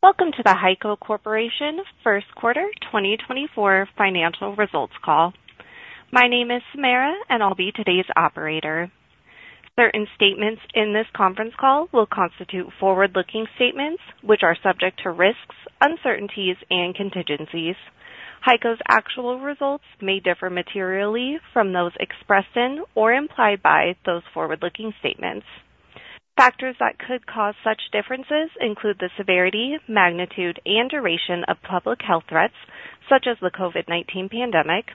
Welcome to the HEICO Corporation First Quarter 2024 Financial Results Call. My name is Samara, and I'll be today's operator. Certain statements in this conference call will constitute forward-looking statements which are subject to risks, uncertainties, and contingencies. HEICO's actual results may differ materially from those expressed in or implied by those forward-looking statements. Factors that could cause such differences include the severity, magnitude, and duration of public health threats such as the COVID-19 pandemic,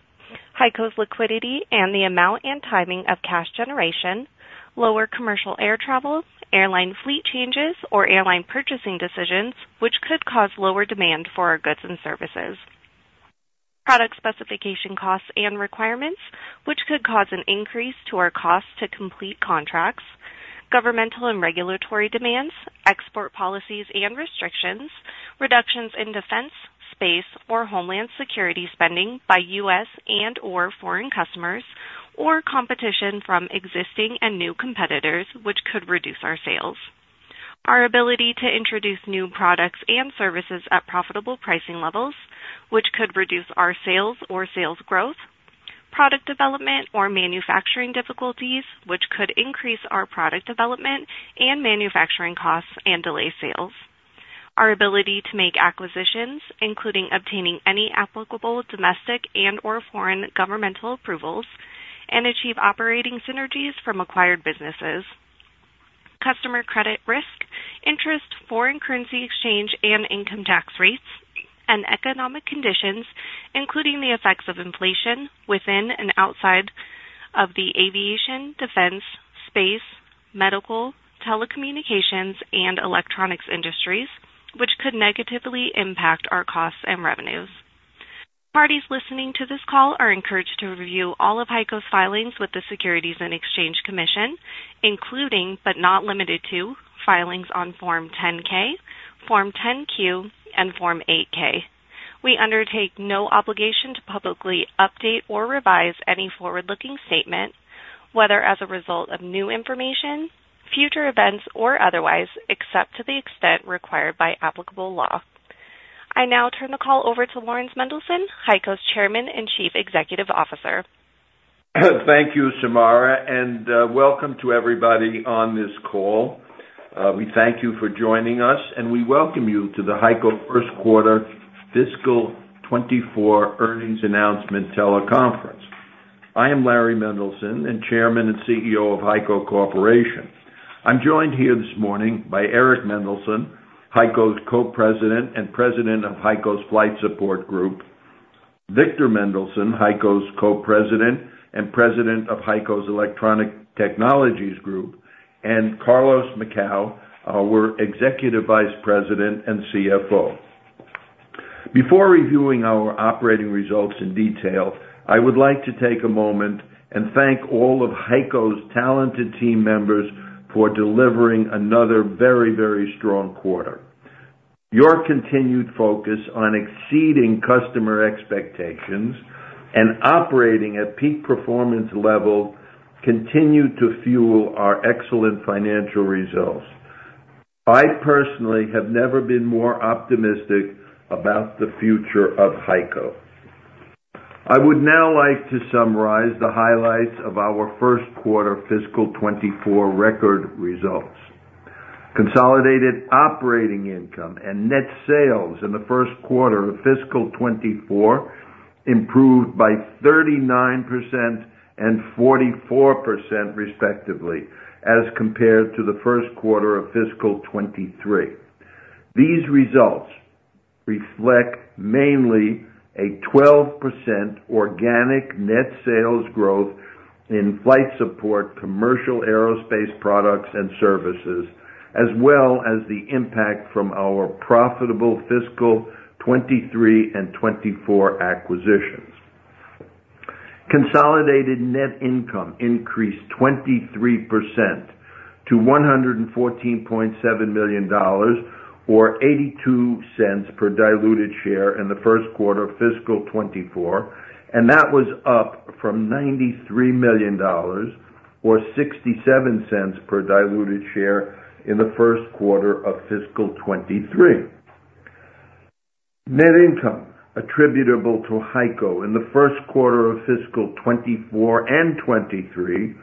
HEICO's liquidity and the amount and timing of cash generation, lower commercial air travel, airline fleet changes or airline purchasing decisions which could cause lower demand for our goods and services, product specification costs and requirements which could cause an increase to our costs to complete contracts, governmental and regulatory demands, export policies and restrictions, reductions in defense, space, or homeland security spending by U.S. and/or foreign customers, or competition from existing and new competitors which could reduce our sales, our ability to introduce new products and services at profitable pricing levels which could reduce our sales or sales growth, product development or manufacturing difficulties which could increase our product development and manufacturing costs and delay sales, our ability to make acquisitions including obtaining any applicable domestic and/or foreign governmental approvals, and achieve operating synergies from acquired businesses, customer credit risk, interest, foreign currency exchange and income tax rates, and economic conditions including the effects of inflation within and outside of the aviation, defense, space, medical, telecommunications, and electronics industries which could negatively impact our costs and revenues. Parties listening to this call are encouraged to review all of HEICO's filings with the Securities and Exchange Commission, including but not limited to, filings on Form 10-K, Form 10-Q, and Form 8-K. We undertake no obligation to publicly update or revise any forward-looking statement, whether as a result of new information, future events, or otherwise except to the extent required by applicable law. I now turn the call over to Laurans Mendelson, HEICO's Chairman and Chief Executive Officer. Thank you, Samara, and welcome to everybody on this call. We thank you for joining us, and we welcome you to the HEICO First Quarter Fiscal 2024 Earnings Announcement Teleconference. I am Laurans Mendelson, the Chairman and CEO of HEICO Corporation. I'm joined here this morning by Eric Mendelson, HEICO's Co-President and President of HEICO's Flight Support Group, Victor Mendelson, HEICO's Co-President and President of HEICO's Electronic Technologies Group, and Carlos Macau, our Executive Vice President and CFO. Before reviewing our operating results in detail, I would like to take a moment and thank all of HEICO's talented team members for delivering another very, very strong quarter. Your continued focus on exceeding customer expectations and operating at peak performance level continue to fuel our excellent financial results. I personally have never been more optimistic about the future of HEICO. I would now like to summarize the highlights of our First Quarter Fiscal 2024 record results. Consolidated operating income and net sales in the First Quarter of Fiscal 2024 improved by 39% and 44% respectively as compared to the First Quarter of Fiscal 2023. These results reflect mainly a 12% organic net sales growth in Flight Support, commercial aerospace products and services, as well as the impact from our profitable fiscal 2023 and 2024 acquisitions. Consolidated net income increased 23% to $114.7 million or 82 cents per diluted share in the First Quarter of Fiscal 2024, and that was up from $93 million or 67 cents per diluted share in the First Quarter of Fiscal 2023. Net income attributable to HEICO in the First Quarter of Fiscal 2024 and 2023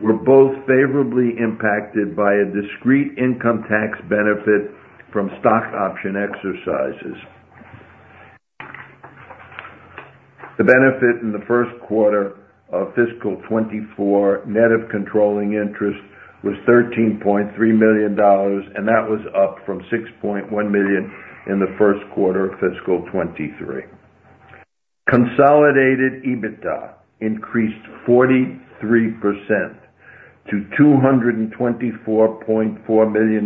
were both favorably impacted by a discrete income tax benefit from stock option exercises. The benefit in the First Quarter of Fiscal 2024 net of controlling interest was $13.3 million, and that was up from $6.1 million in the First Quarter of Fiscal 2023. Consolidated EBITDA increased 43% to $224.4 million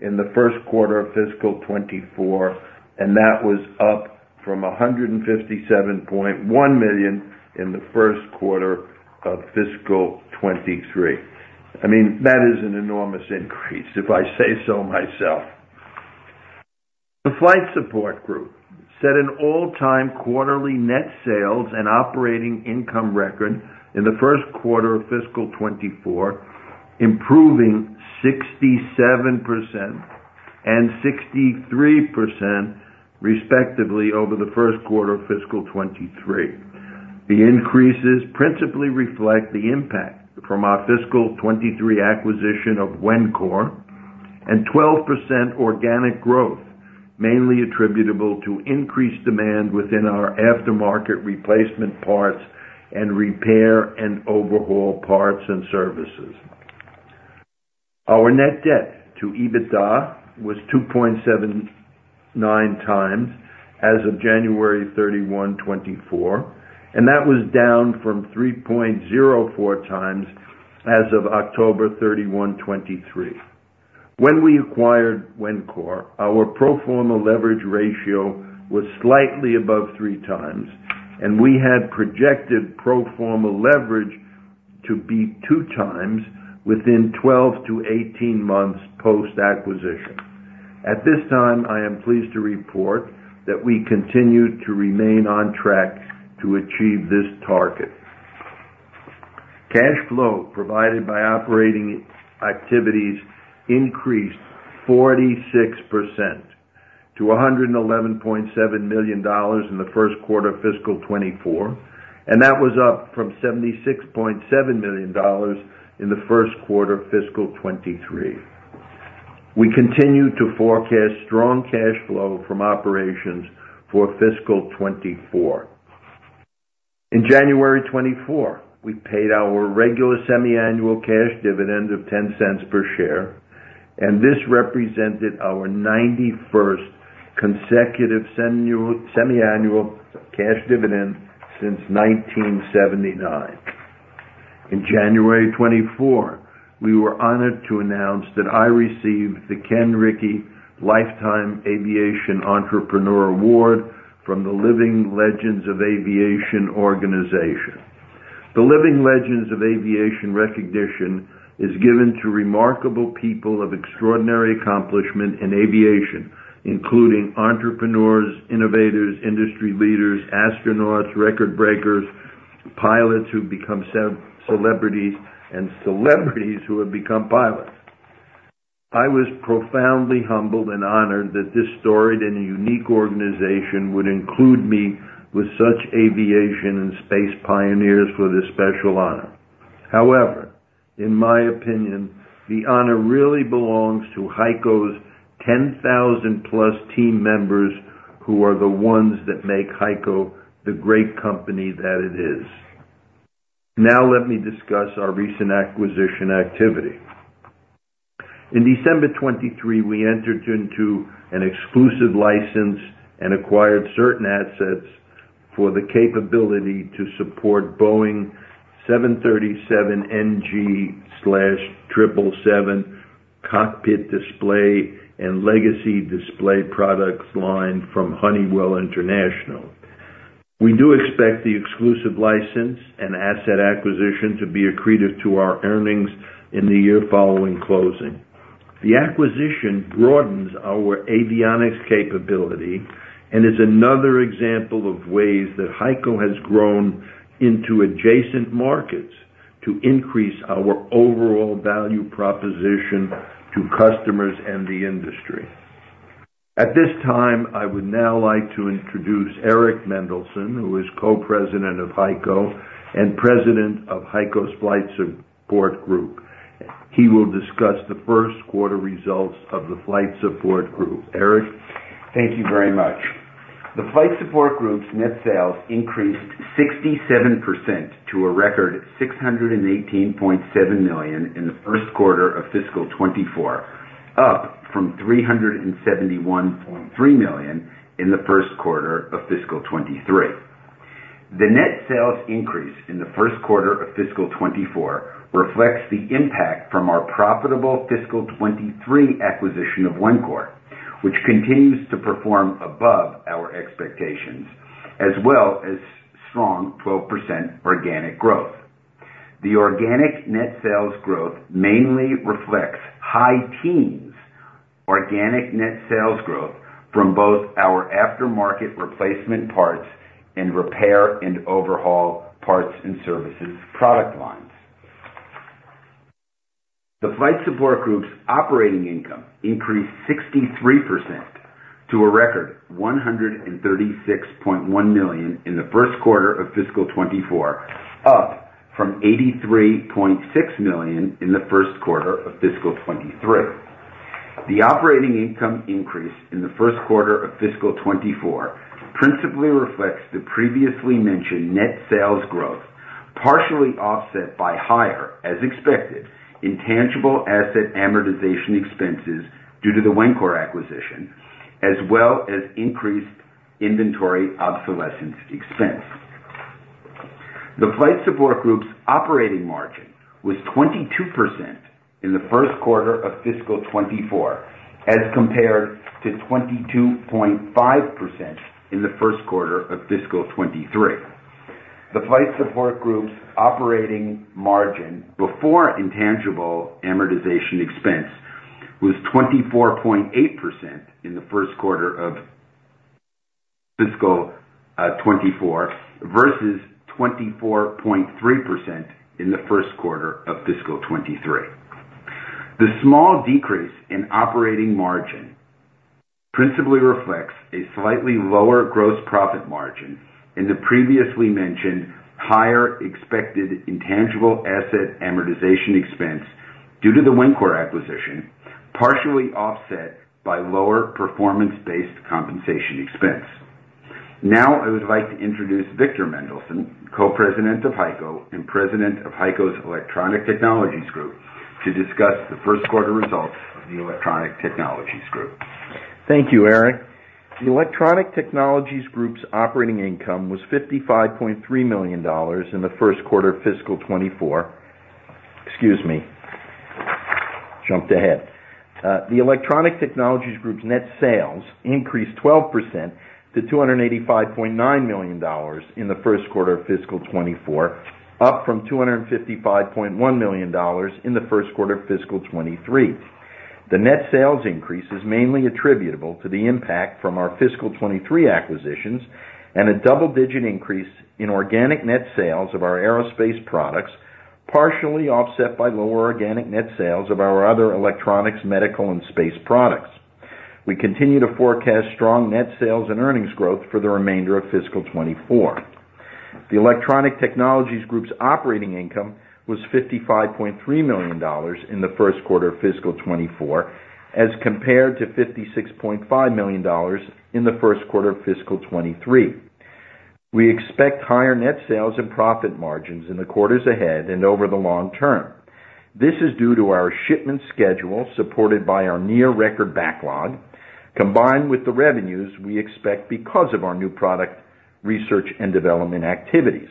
in the First Quarter of Fiscal 2024, and that was up from $157.1 million in the First Quarter of Fiscal 2023. I mean, that is an enormous increase, if I say so myself. The Flight Support Group set an all-time quarterly net sales and operating income record in the First Quarter of Fiscal 2024, improving 67% and 63% respectively over the First Quarter of Fiscal 2023. The increases principally reflect the impact from our Fiscal 2023 acquisition of Wencor and 12% organic growth, mainly attributable to increased demand within our aftermarket replacement parts and repair and overhaul parts and services. Our net debt to EBITDA was 2.79x as of January 31, 2024, and that was down from 3.04x as of October 31, 2023. When we acquired Wencor, our pro forma leverage ratio was slightly above 3x, and we had projected pro forma leverage to be 2x within 12 to 18 months post-acquisition. At this time, I am pleased to report that we continue to remain on track to achieve this target. Cash flow provided by operating activities increased 46% to $111.7 million in the First Quarter of Fiscal 2024, and that was up from $76.7 million in the First Quarter of Fiscal 2023. We continue to forecast strong cash flow from operations for Fiscal 2024. In January 2024, we paid our regular semiannual cash dividend of $0.10 per share, and this represented our 91st consecutive semiannual cash dividend since 1979. In January 2024, we were honored to announce that I received the Kenn Ricci Lifetime Aviation Entrepreneur Award from the Living Legends of Aviation. The Living Legends of Aviation recognition is given to remarkable people of extraordinary accomplishment in aviation, including entrepreneurs, innovators, industry leaders, astronauts, record breakers, pilots who've become celebrities, and celebrities who have become pilots. I was profoundly humbled and honored that this storied and unique organization would include me with such aviation and space pioneers for this special honor. However, in my opinion, the honor really belongs to HEICO's 10,000+ team members who are the ones that make HEICO the great company that it is. Now, let me discuss our recent acquisition activity. In December 2023, we entered into an exclusive license and acquired certain assets for the capability to support Boeing 737NG/777 cockpit display and legacy display product line from Honeywell International. We do expect the exclusive license and asset acquisition to be accretive to our earnings in the year following closing. The acquisition broadens our avionics capability and is another example of ways that HEICO has grown into adjacent markets to increase our overall value proposition to customers and the industry. At this time, I would now like to introduce Eric Mendelson, who is Co-President of HEICO and President of HEICO's Flight Support Group. He will discuss the first quarter results of the Flight Support Group. Eric. Thank you very much. The Flight Support Group's net sales increased 67% to a record $618.7 million in the First Quarter of Fiscal 2024, up from $371.3 million in the First Quarter of Fiscal 2023. The net sales increase in the First Quarter of Fiscal 2024 reflects the impact from our profitable Fiscal 2023 acquisition of Wencor, which continues to perform above our expectations, as well as strong 12% organic growth. The organic net sales growth mainly reflects high teens organic net sales growth from both our aftermarket replacement parts and repair and overhaul parts and services product lines. The Flight Support Group's operating income increased 63% to a record $136.1 million in the First Quarter of Fiscal 2024, up from $83.6 million in the First Quarter of Fiscal 2023. The operating income increase in the First Quarter of Fiscal 2024 principally reflects the previously mentioned net sales growth, partially offset by higher, as expected, intangible asset amortization expenses due to the Wencor acquisition, as well as increased inventory obsolescence expense. The Flight Support Group's operating margin was 22% in the First Quarter of Fiscal 2024 as compared to 22.5% in the First Quarter of Fiscal 2023. The Flight Support Group's operating margin before intangible amortization expense was 24.8% in the First Quarter of Fiscal 2024 versus 24.3% in the First Quarter of Fiscal 2023. The small decrease in operating margin principally reflects a slightly lower gross profit margin in the previously mentioned higher expected intangible asset amortization expense due to the Wencor acquisition, partially offset by lower performance-based compensation expense. Now, I would like to introduce Victor Mendelson, Co-President of HEICO and President of HEICO's Electronic Technologies Group, to discuss the First Quarter results of the Electronic Technologies Group. Thank you, Eric. The Electronic Technologies Group's operating income was $55.3 million in the First Quarter of Fiscal 2024. The Electronic Technologies Group's net sales increased 12% to $285.9 million in the First Quarter of Fiscal 2024, up from $255.1 million in the First Quarter of Fiscal 2023. The net sales increase is mainly attributable to the impact from our Fiscal 2023 acquisitions and a double-digit increase in organic net sales of our aerospace products, partially offset by lower organic net sales of our other electronics, medical, and space products. We continue to forecast strong net sales and earnings growth for the remainder of Fiscal 2024. The Electronic Technologies Group's operating income was $55.3 million in the First Quarter of Fiscal 2024 as compared to $56.5 million in the First Quarter of Fiscal 2023. We expect higher net sales and profit margins in the quarters ahead and over the long term. This is due to our shipment schedule supported by our near-record backlog, combined with the revenues we expect because of our new product research and development activities.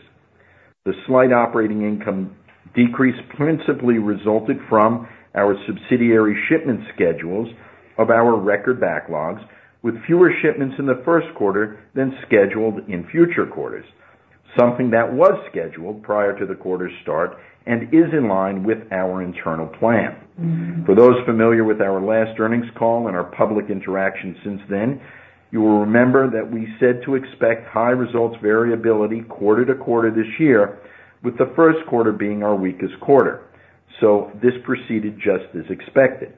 The slight operating income decrease principally resulted from our subsidiary shipment schedules of our record backlogs, with fewer shipments in the First Quarter than scheduled in future quarters, something that was scheduled prior to the quarter's start and is in line with our internal plan. For those familiar with our last earnings call and our public interaction since then, you will remember that we said to expect high results variability quarter to quarter this year, with the First Quarter being our weakest quarter. So this proceeded just as expected.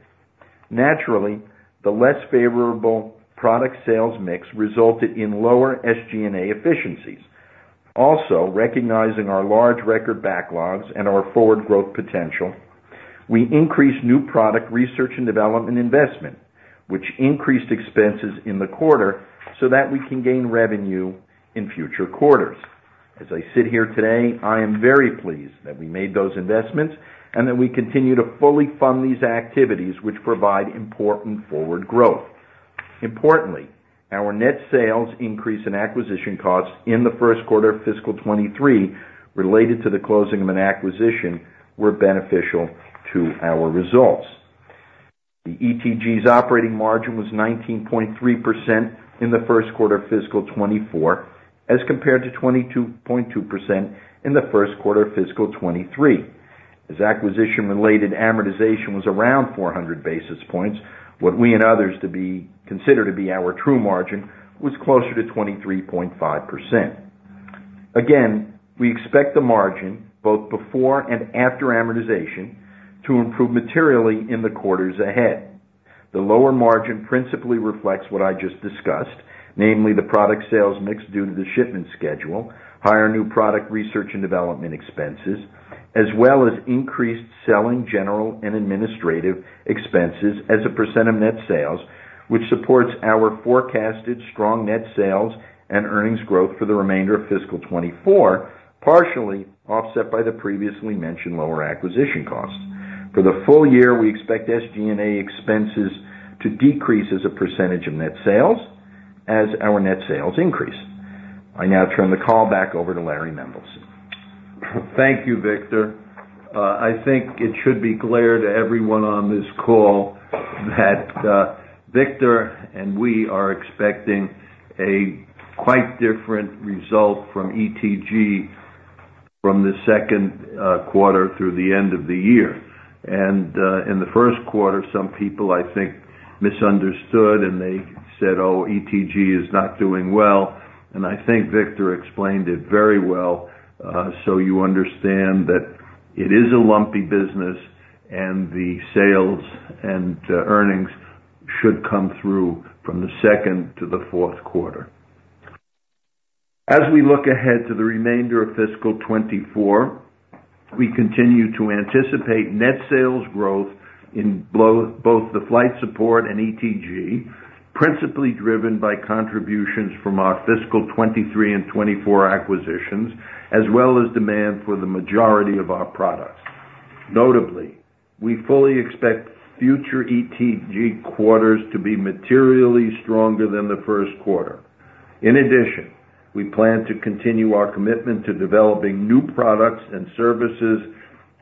Naturally, the less favorable product sales mix resulted in lower SG&A efficiencies. Also, recognizing our large record backlogs and our forward growth potential, we increased new product research and development investment, which increased expenses in the quarter so that we can gain revenue in future quarters. As I sit here today, I am very pleased that we made those investments and that we continue to fully fund these activities, which provide important forward growth. Importantly, our net sales increase in acquisition costs in the First Quarter of Fiscal 2023 related to the closing of an acquisition were beneficial to our results. The ETG's operating margin was 19.3% in the First Quarter of Fiscal 2024 as compared to 22.2% in the First Quarter of Fiscal 2023. As acquisition-related amortization was around 400 basis points, what we and others consider to be our true margin was closer to 23.5%. Again, we expect the margin, both before and after amortization, to improve materially in the quarters ahead. The lower margin principally reflects what I just discussed, namely the product sales mix due to the shipment schedule, higher new product research and development expenses, as well as increased selling general and administrative expenses as a % of net sales, which supports our forecasted strong net sales and earnings growth for the remainder of Fiscal 2024, partially offset by the previously mentioned lower acquisition costs. For the full year, we expect SG&A expenses to decrease as a percentage of net sales as our net sales increase. I now turn the call back over to Laurans Mendelson. Thank you, Victor. I think it should be clear to everyone on this call that Victor and we are expecting a quite different result from ETG from the second quarter through the end of the year. And in the first quarter, some people, I think, misunderstood, and they said, "Oh, ETG is not doing well." And I think Victor explained it very well. So you understand that it is a lumpy business, and the sales and earnings should come through from the second to the fourth quarter. As we look ahead to the remainder of Fiscal 2024, we continue to anticipate net sales growth in both the Flight Support and ETG, principally driven by contributions from our Fiscal 2023 and 2024 acquisitions, as well as demand for the majority of our products. Notably, we fully expect future ETG quarters to be materially stronger than the first quarter. In addition, we plan to continue our commitment to developing new products and services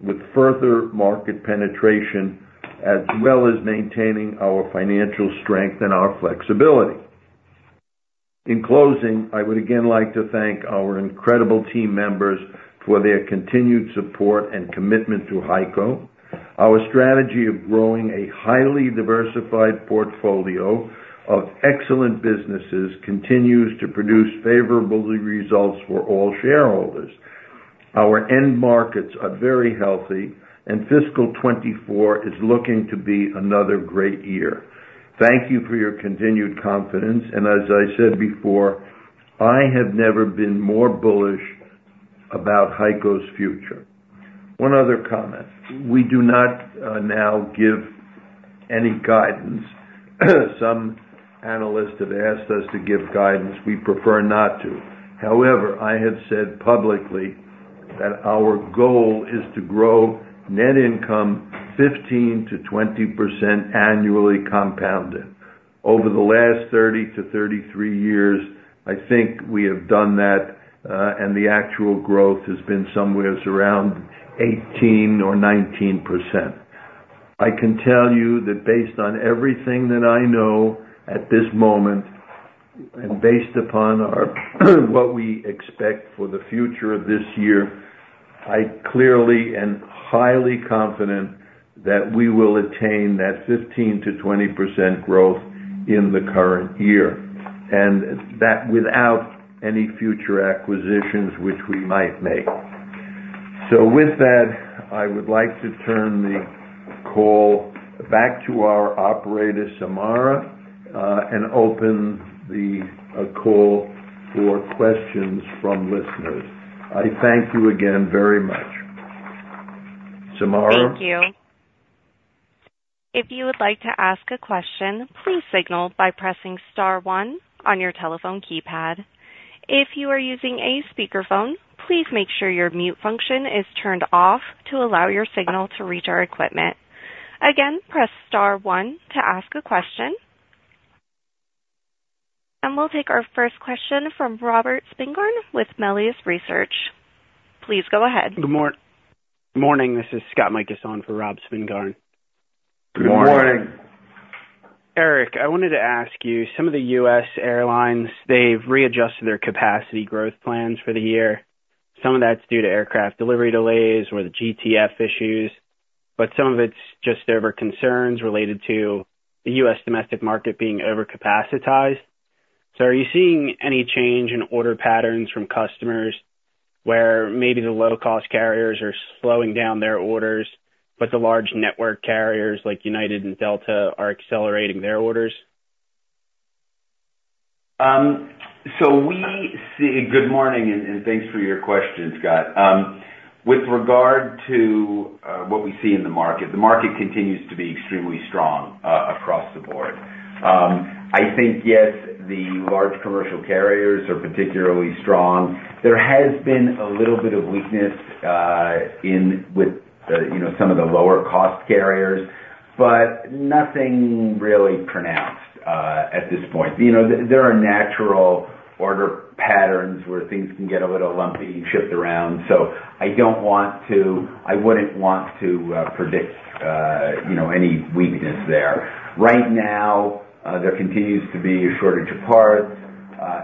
with further market penetration, as well as maintaining our financial strength and our flexibility. In closing, I would again like to thank our incredible team members for their continued support and commitment to HEICO. Our strategy of growing a highly diversified portfolio of excellent businesses continues to produce favorable results for all shareholders. Our end markets are very healthy, and Fiscal 2024 is looking to be another great year. Thank you for your continued confidence. And as I said before, I have never been more bullish about HEICO's future. One other comment: we do not now give any guidance. Some analysts have asked us to give guidance. We prefer not to. However, I have said publicly that our goal is to grow net income 15%-20% annually compounded. Over the last 30-33 years, I think we have done that, and the actual growth has been somewhere around 18% or 19%. I can tell you that based on everything that I know at this moment and based upon what we expect for the future of this year, I clearly and highly confident that we will attain that 15%-20% growth in the current year and that without any future acquisitions, which we might make. So with that, I would like to turn the call back to our operator, Samara, and open the call for questions from listeners. I thank you again very much. Samara? Thank you. If you would like to ask a question, please signal by pressing star one on your telephone keypad. If you are using a speakerphone, please make sure your mute function is turned off to allow your signal to reach our equipment. Again, press star one to ask a question. We'll take our first question from Robert Spingarn with Melius Research. Please go ahead. Good morning. This is Scott Mikus on for Rob Spingarn. Good morning. Good morning. Eric, I wanted to ask you, some of the U.S. airlines, they've readjusted their capacity growth plans for the year. Some of that's due to aircraft delivery delays or the GTF issues, but some of it's just over concerns related to the U.S. domestic market being overcapacitized. So are you seeing any change in order patterns from customers where maybe the low-cost carriers are slowing down their orders, but the large network carriers like United and Delta are accelerating their orders? So, we see. Good morning and thanks for your question, Scott. With regard to what we see in the market, the market continues to be extremely strong across the board. I think, yes, the large commercial carriers are particularly strong. There has been a little bit of weakness with some of the lower-cost carriers, but nothing really pronounced at this point. There are natural order patterns where things can get a little lumpy and shift around. So, I don't want to, I wouldn't want to predict any weakness there. Right now, there continues to be a shortage of parts.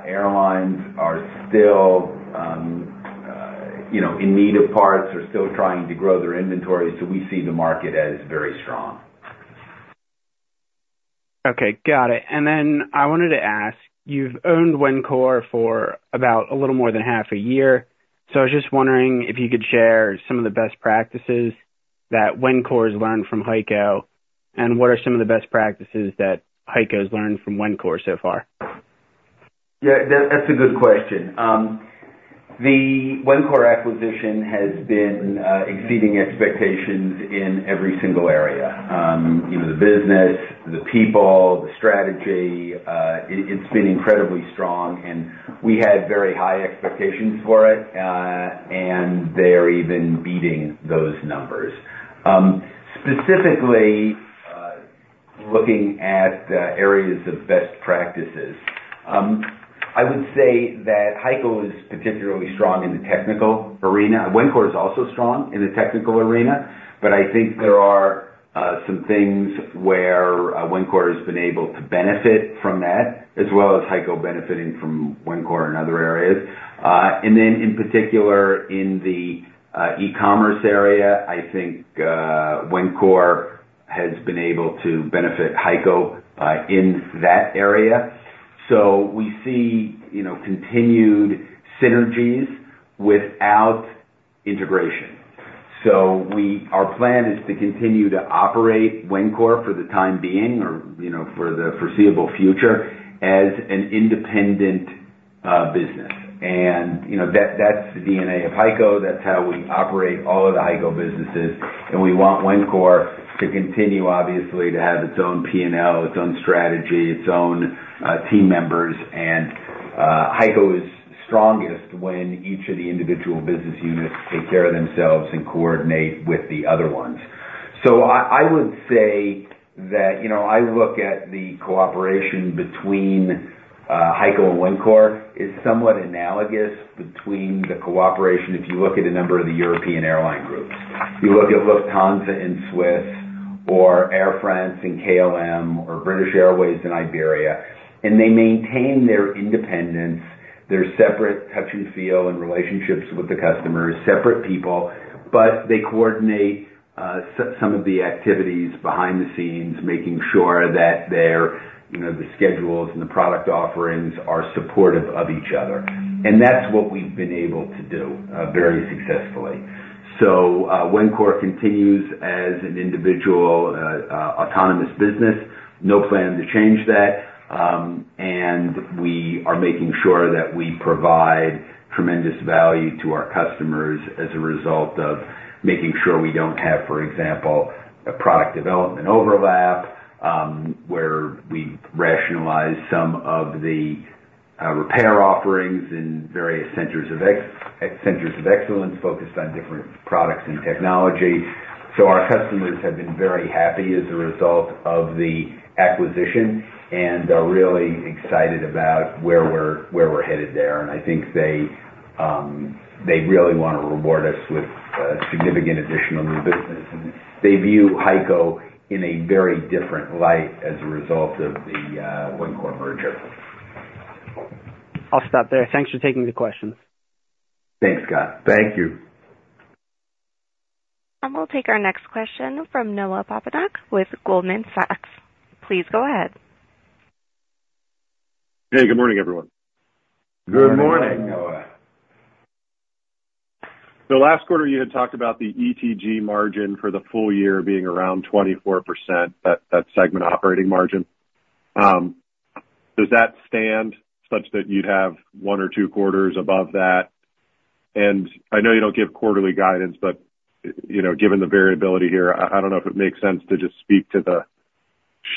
Airlines are still in need of parts, are still trying to grow their inventories. So, we see the market as very strong. Okay. Got it. And then I wanted to ask, you've owned Wencor for about a little more than half a year. So I was just wondering if you could share some of the best practices that Wencor has learned from HEICO, and what are some of the best practices that HEICO has learned from Wencor so far? Yeah. That's a good question. The Wencor acquisition has been exceeding expectations in every single area: the business, the people, the strategy. It's been incredibly strong, and we had very high expectations for it, and they're even beating those numbers. Specifically, looking at areas of best practices, I would say that HEICO is particularly strong in the technical arena. Wencor is also strong in the technical arena, but I think there are some things where Wencor has been able to benefit from that, as well as HEICO benefiting from Wencor in other areas. And then in particular, in the e-commerce area, I think Wencor has been able to benefit HEICO in that area. So we see continued synergies without integration. So our plan is to continue to operate Wencor for the time being or for the foreseeable future as an independent business. And that's the DNA of HEICO. That's how we operate all of the HEICO businesses. We want Wencor to continue, obviously, to have its own P&L, its own strategy, its own team members. HEICO is strongest when each of the individual business units take care of themselves and coordinate with the other ones. I would say that I look at the cooperation between HEICO and Wencor as somewhat analogous between the cooperation if you look at a number of the European airline groups. You look at Lufthansa and Swiss or Air France and KLM or British Airways and Iberia, and they maintain their independence, their separate touch and feel and relationships with the customers, separate people, but they coordinate some of the activities behind the scenes, making sure that the schedules and the product offerings are supportive of each other. That's what we've been able to do very successfully. Wencor continues as an individual autonomous business. No plan to change that. We are making sure that we provide tremendous value to our customers as a result of making sure we don't have, for example, a product development overlap where we rationalize some of the repair offerings in various centers of excellence focused on different products and technology. Our customers have been very happy as a result of the acquisition and are really excited about where we're headed there. I think they really want to reward us with significant additional new business. They view HEICO in a very different light as a result of the Wencor merger. I'll stop there. Thanks for taking the questions. Thanks, Scott. Thank you. We'll take our next question from Noah Poponak with Goldman Sachs. Please go ahead. Hey. Good morning, everyone. Good morning, Noah. Last quarter, you had talked about the ETG margin for the full year being around 24%, that segment operating margin. Does that stand such that you'd have one or two quarters above that? And I know you don't give quarterly guidance, but given the variability here, I don't know if it makes sense to just speak to the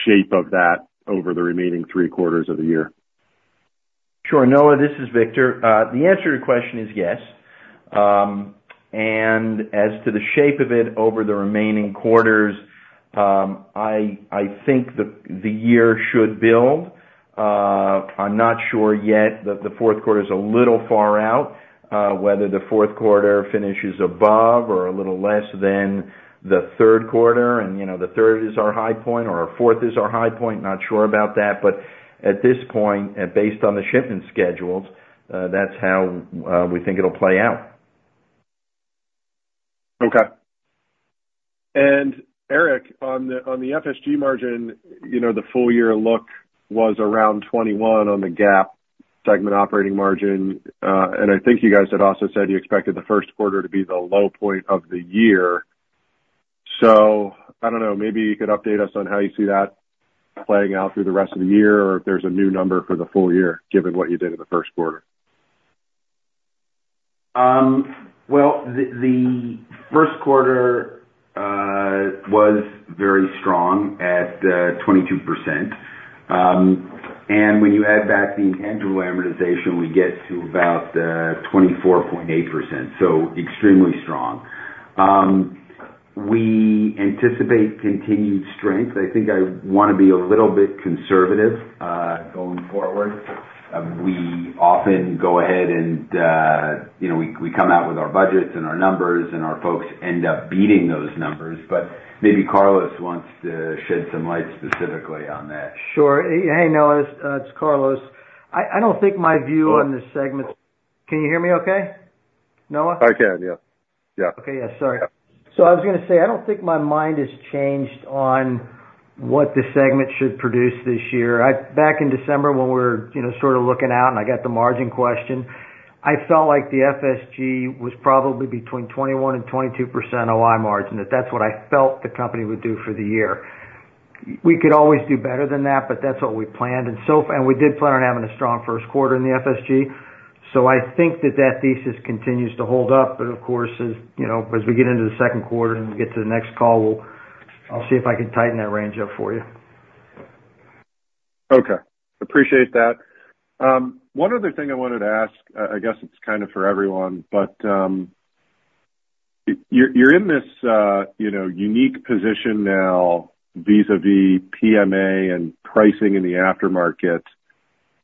shape of that over the remaining three quarters of the year. Sure. Noah, this is Victor. The answer to your question is yes. And as to the shape of it over the remaining quarters, I think the year should build. I'm not sure yet. The fourth quarter is a little far out, whether the fourth quarter finishes above or a little less than the third quarter. And the third is our high point or our fourth is our high point. Not sure about that. But at this point, based on the shipment schedules, that's how we think it'll play out. Okay. Eric, on the FSG margin, the full-year look was around 21% on the GAAP segment operating margin. I think you guys had also said you expected the first quarter to be the low point of the year. I don't know. Maybe you could update us on how you see that playing out through the rest of the year or if there's a new number for the full year, given what you did in the first quarter. Well, the first quarter was very strong at 22%. When you add back the intangible amortization, we get to about 24.8%. So extremely strong. We anticipate continued strength. I think I want to be a little bit conservative going forward. We often go ahead and we come out with our budgets and our numbers, and our folks end up beating those numbers. But maybe Carlos wants to shed some light specifically on that. Sure. Hey, Noah. It's Carlos. I don't think my view on the segment. Can you hear me okay, Noah? I can. Yeah. Yeah. Okay. Yeah. Sorry. So I was going to say, I don't think my mind has changed on what the segment should produce this year. Back in December, when we were sort of looking out and I got the margin question, I felt like the FSG was probably between 21%-22% OI margin, that that's what I felt the company would do for the year. We could always do better than that, but that's what we planned. And we did plan on having a strong first quarter in the FSG. So I think that that thesis continues to hold up. But of course, as we get into the second quarter and we get to the next call, I'll see if I can tighten that range up for you. Okay. Appreciate that. One other thing I wanted to ask, I guess it's kind of for everyone, but you're in this unique position now vis-à-vis PMA and pricing in the aftermarket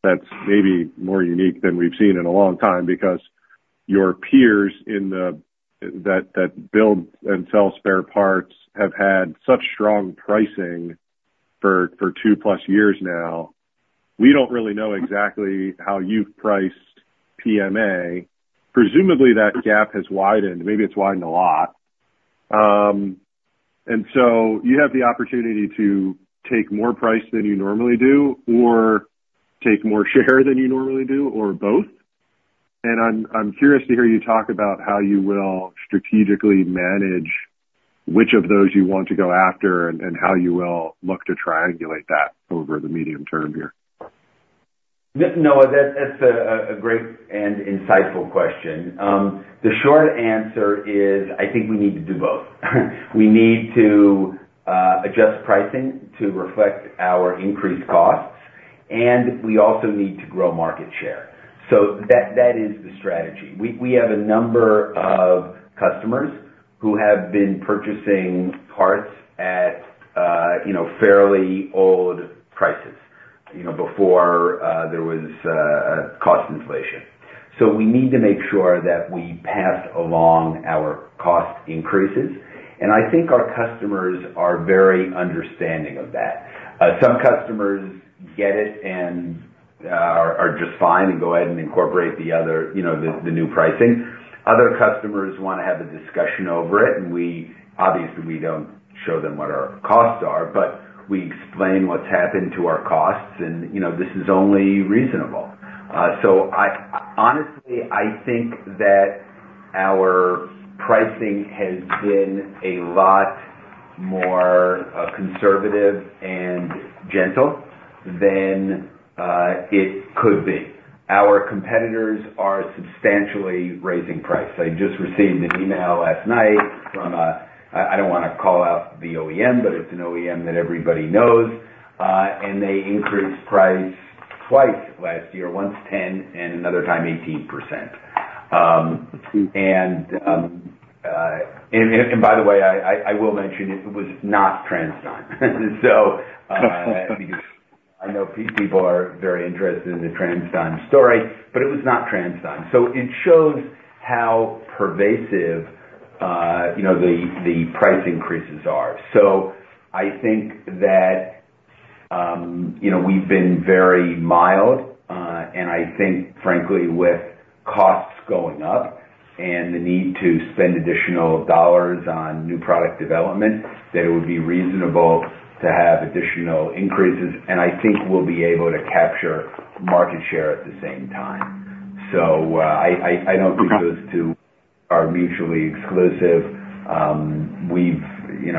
that's maybe more unique than we've seen in a long time because your peers that build and sell spare parts have had such strong pricing for 2+ years now. We don't really know exactly how you've priced PMA. Presumably, that gap has widened. Maybe it's widened a lot. And so you have the opportunity to take more price than you normally do or take more share than you normally do or both. And I'm curious to hear you talk about how you will strategically manage which of those you want to go after and how you will look to triangulate that over the medium term here. Noah, that's a great and insightful question. The short answer is I think we need to do both. We need to adjust pricing to reflect our increased costs, and we also need to grow market share. So that is the strategy. We have a number of customers who have been purchasing parts at fairly old prices before there was cost inflation. So we need to make sure that we pass along our cost increases. And I think our customers are very understanding of that. Some customers get it and are just fine and go ahead and incorporate the new pricing. Other customers want to have a discussion over it. And obviously, we don't show them what our costs are, but we explain what's happened to our costs, and this is only reasonable. So honestly, I think that our pricing has been a lot more conservative and gentle than it could be. Our competitors are substantially raising price. I just received an email last night from a I don't want to call out the OEM, but it's an OEM that everybody knows. And they increased price twice last year, once 10% and another time 18%. And by the way, I will mention it was not TransDigm. So I know people are very interested in the TransDigm story, but it was not TransDigm. So it shows how pervasive the price increases are. So I think that we've been very mild. And I think, frankly, with costs going up and the need to spend additional dollars on new product development, that it would be reasonable to have additional increases and I think we'll be able to capture market share at the same time. I don't think those two are mutually exclusive.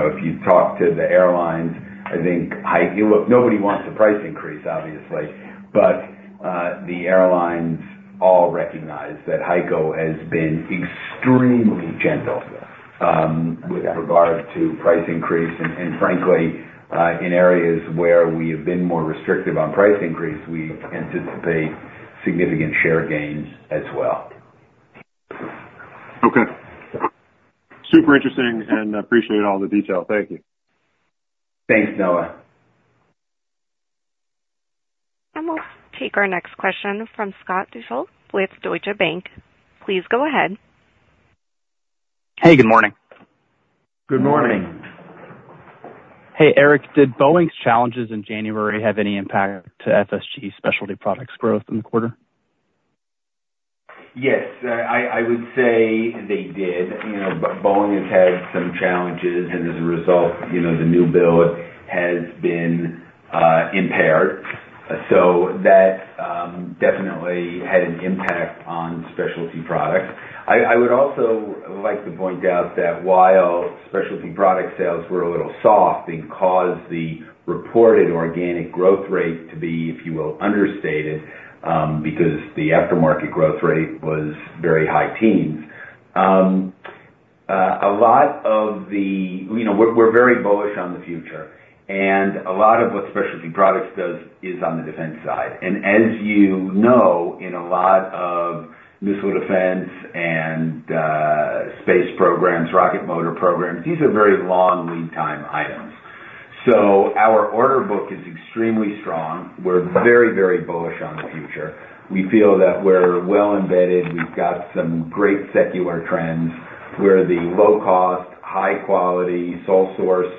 If you talk to the airlines, I think, HEICO, nobody wants a price increase, obviously, but the airlines all recognize that HEICO has been extremely gentle with regard to price increase. Frankly, in areas where we have been more restrictive on price increase, we anticipate significant share gains as well. Okay. Super interesting, and appreciate all the detail. Thank you. Thanks, Noah. We'll take our next question from Scott Deuschle with Deutsche Bank. Please go ahead. Hey. Good morning. Good morning. Hey, Eric. Did Boeing's challenges in January have any impact to FSG specialty products growth in the quarter? Yes. I would say they did. Boeing has had some challenges, and as a result, the new build has been impaired. So that definitely had an impact on specialty products. I would also like to point out that while specialty product sales were a little soft, it caused the reported organic growth rate to be, if you will, understated because the aftermarket growth rate was very high teens. A lot of the we're very bullish on the future, and a lot of what specialty products does is on the defense side. And as you know, in a lot of missile defense and space programs, rocket motor programs, these are very long lead-time items. So our order book is extremely strong. We're very, very bullish on the future. We feel that we're well embedded. We've got some great secular trends. We're the low-cost, high-quality, sole-source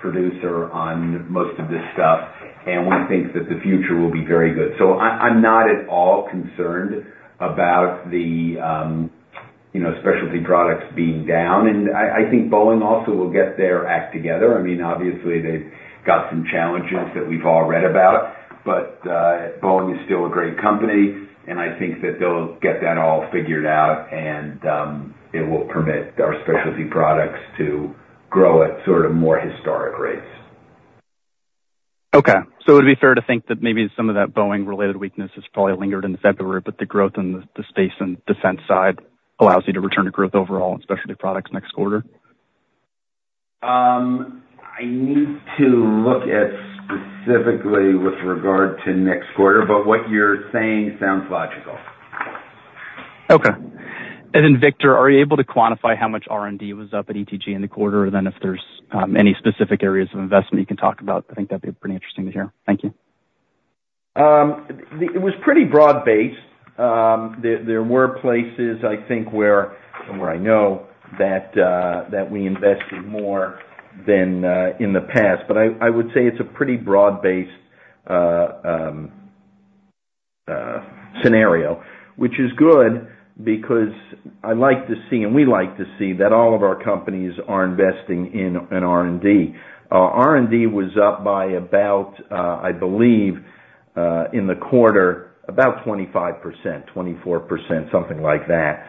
producer on most of this stuff, and we think that the future will be very good. I'm not at all concerned about the specialty products being down. I think Boeing also will get their act together. I mean, obviously, they've got some challenges that we've all read about, but Boeing is still a great company. I think that they'll get that all figured out, and it will permit our specialty products to grow at sort of more historic rates. Okay. So it would be fair to think that maybe some of that Boeing-related weakness has probably lingered in the February, but the growth in the space and defense side allows you to return to growth overall in specialty products next quarter? I need to look at specifically with regard to next quarter, but what you're saying sounds logical. Okay. And then Victor, are you able to quantify how much R&D was up at ETG in the quarter? And then if there's any specific areas of investment you can talk about, I think that'd be pretty interesting to hear. Thank you. It was pretty broad-based. There were places, I think, where and where I know that we invested more than in the past. But I would say it's a pretty broad-based scenario, which is good because I like to see and we like to see that all of our companies are investing in R&D. R&D was up by about, I believe, in the quarter, about 25%, 24%, something like that.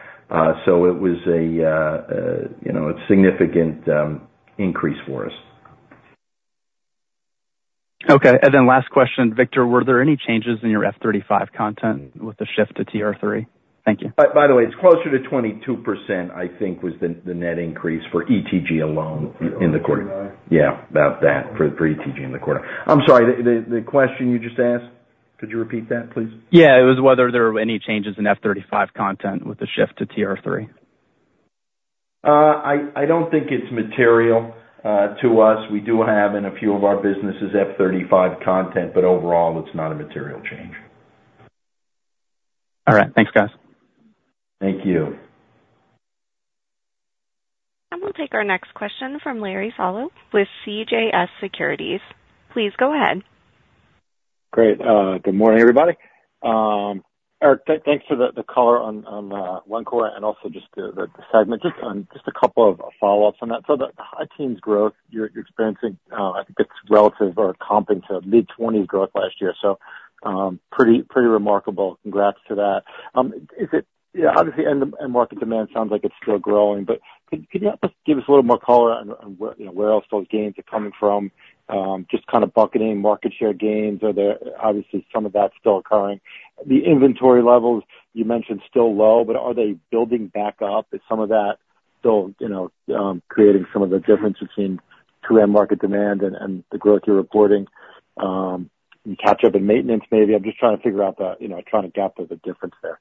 So it was a significant increase for us. Okay. Last question, Victor. Were there any changes in your F-35 content with the shift to TR-3? Thank you. By the way, it's closer to 22%, I think, was the net increase for ETG alone in the quarter. Yeah. About that for ETG in the quarter. I'm sorry. The question you just asked, could you repeat that, please? Yeah. It was whether there were any changes in F-35 content with the shift to TR-3. I don't think it's material to us. We do have in a few of our businesses F-35 content, but overall, it's not a material change. All right. Thanks, guys. Thank you. We'll take our next question from Larry Solow with CJS Securities. Please go ahead. Great. Good morning, everybody. Eric, thanks for the color on one quarter and also just the segment. Just a couple of follow-ups on that. So the high teens growth you're experiencing, I think it's relative or comping to mid-20s growth last year. So pretty remarkable. Congrats to that. Obviously, end-of-market demand sounds like it's still growing, but could you help us give us a little more color on where else those gains are coming from? Just kind of bucketing market share gains. Are there, obviously, some of that still occurring? The inventory levels, you mentioned still low, but are they building back up? Is some of that still creating some of the difference between true-end market demand and the growth you're reporting? Can you catch up in maintenance, maybe? I'm just trying to figure out. I'm trying to gap the difference there.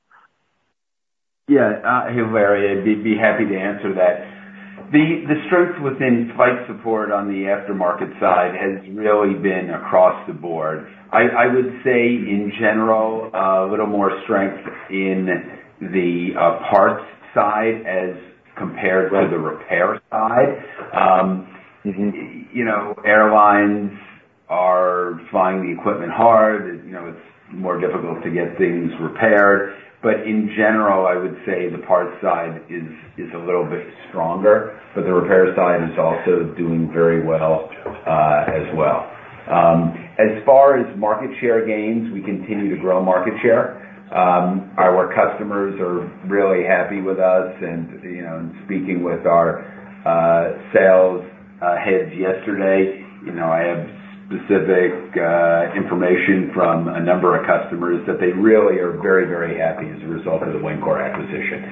Yeah. Hey, Larry. I'd be happy to answer that. The strength within Flight Support on the aftermarket side has really been across the board. I would say, in general, a little more strength in the parts side as compared to the repair side. Airlines are flying the equipment hard. It's more difficult to get things repaired. But in general, I would say the parts side is a little bit stronger, but the repair side is also doing very well as well. As far as market share gains, we continue to grow market share. Our customers are really happy with us. And speaking with our sales heads yesterday, I have specific information from a number of customers that they really are very, very happy as a result of the Wencor acquisition.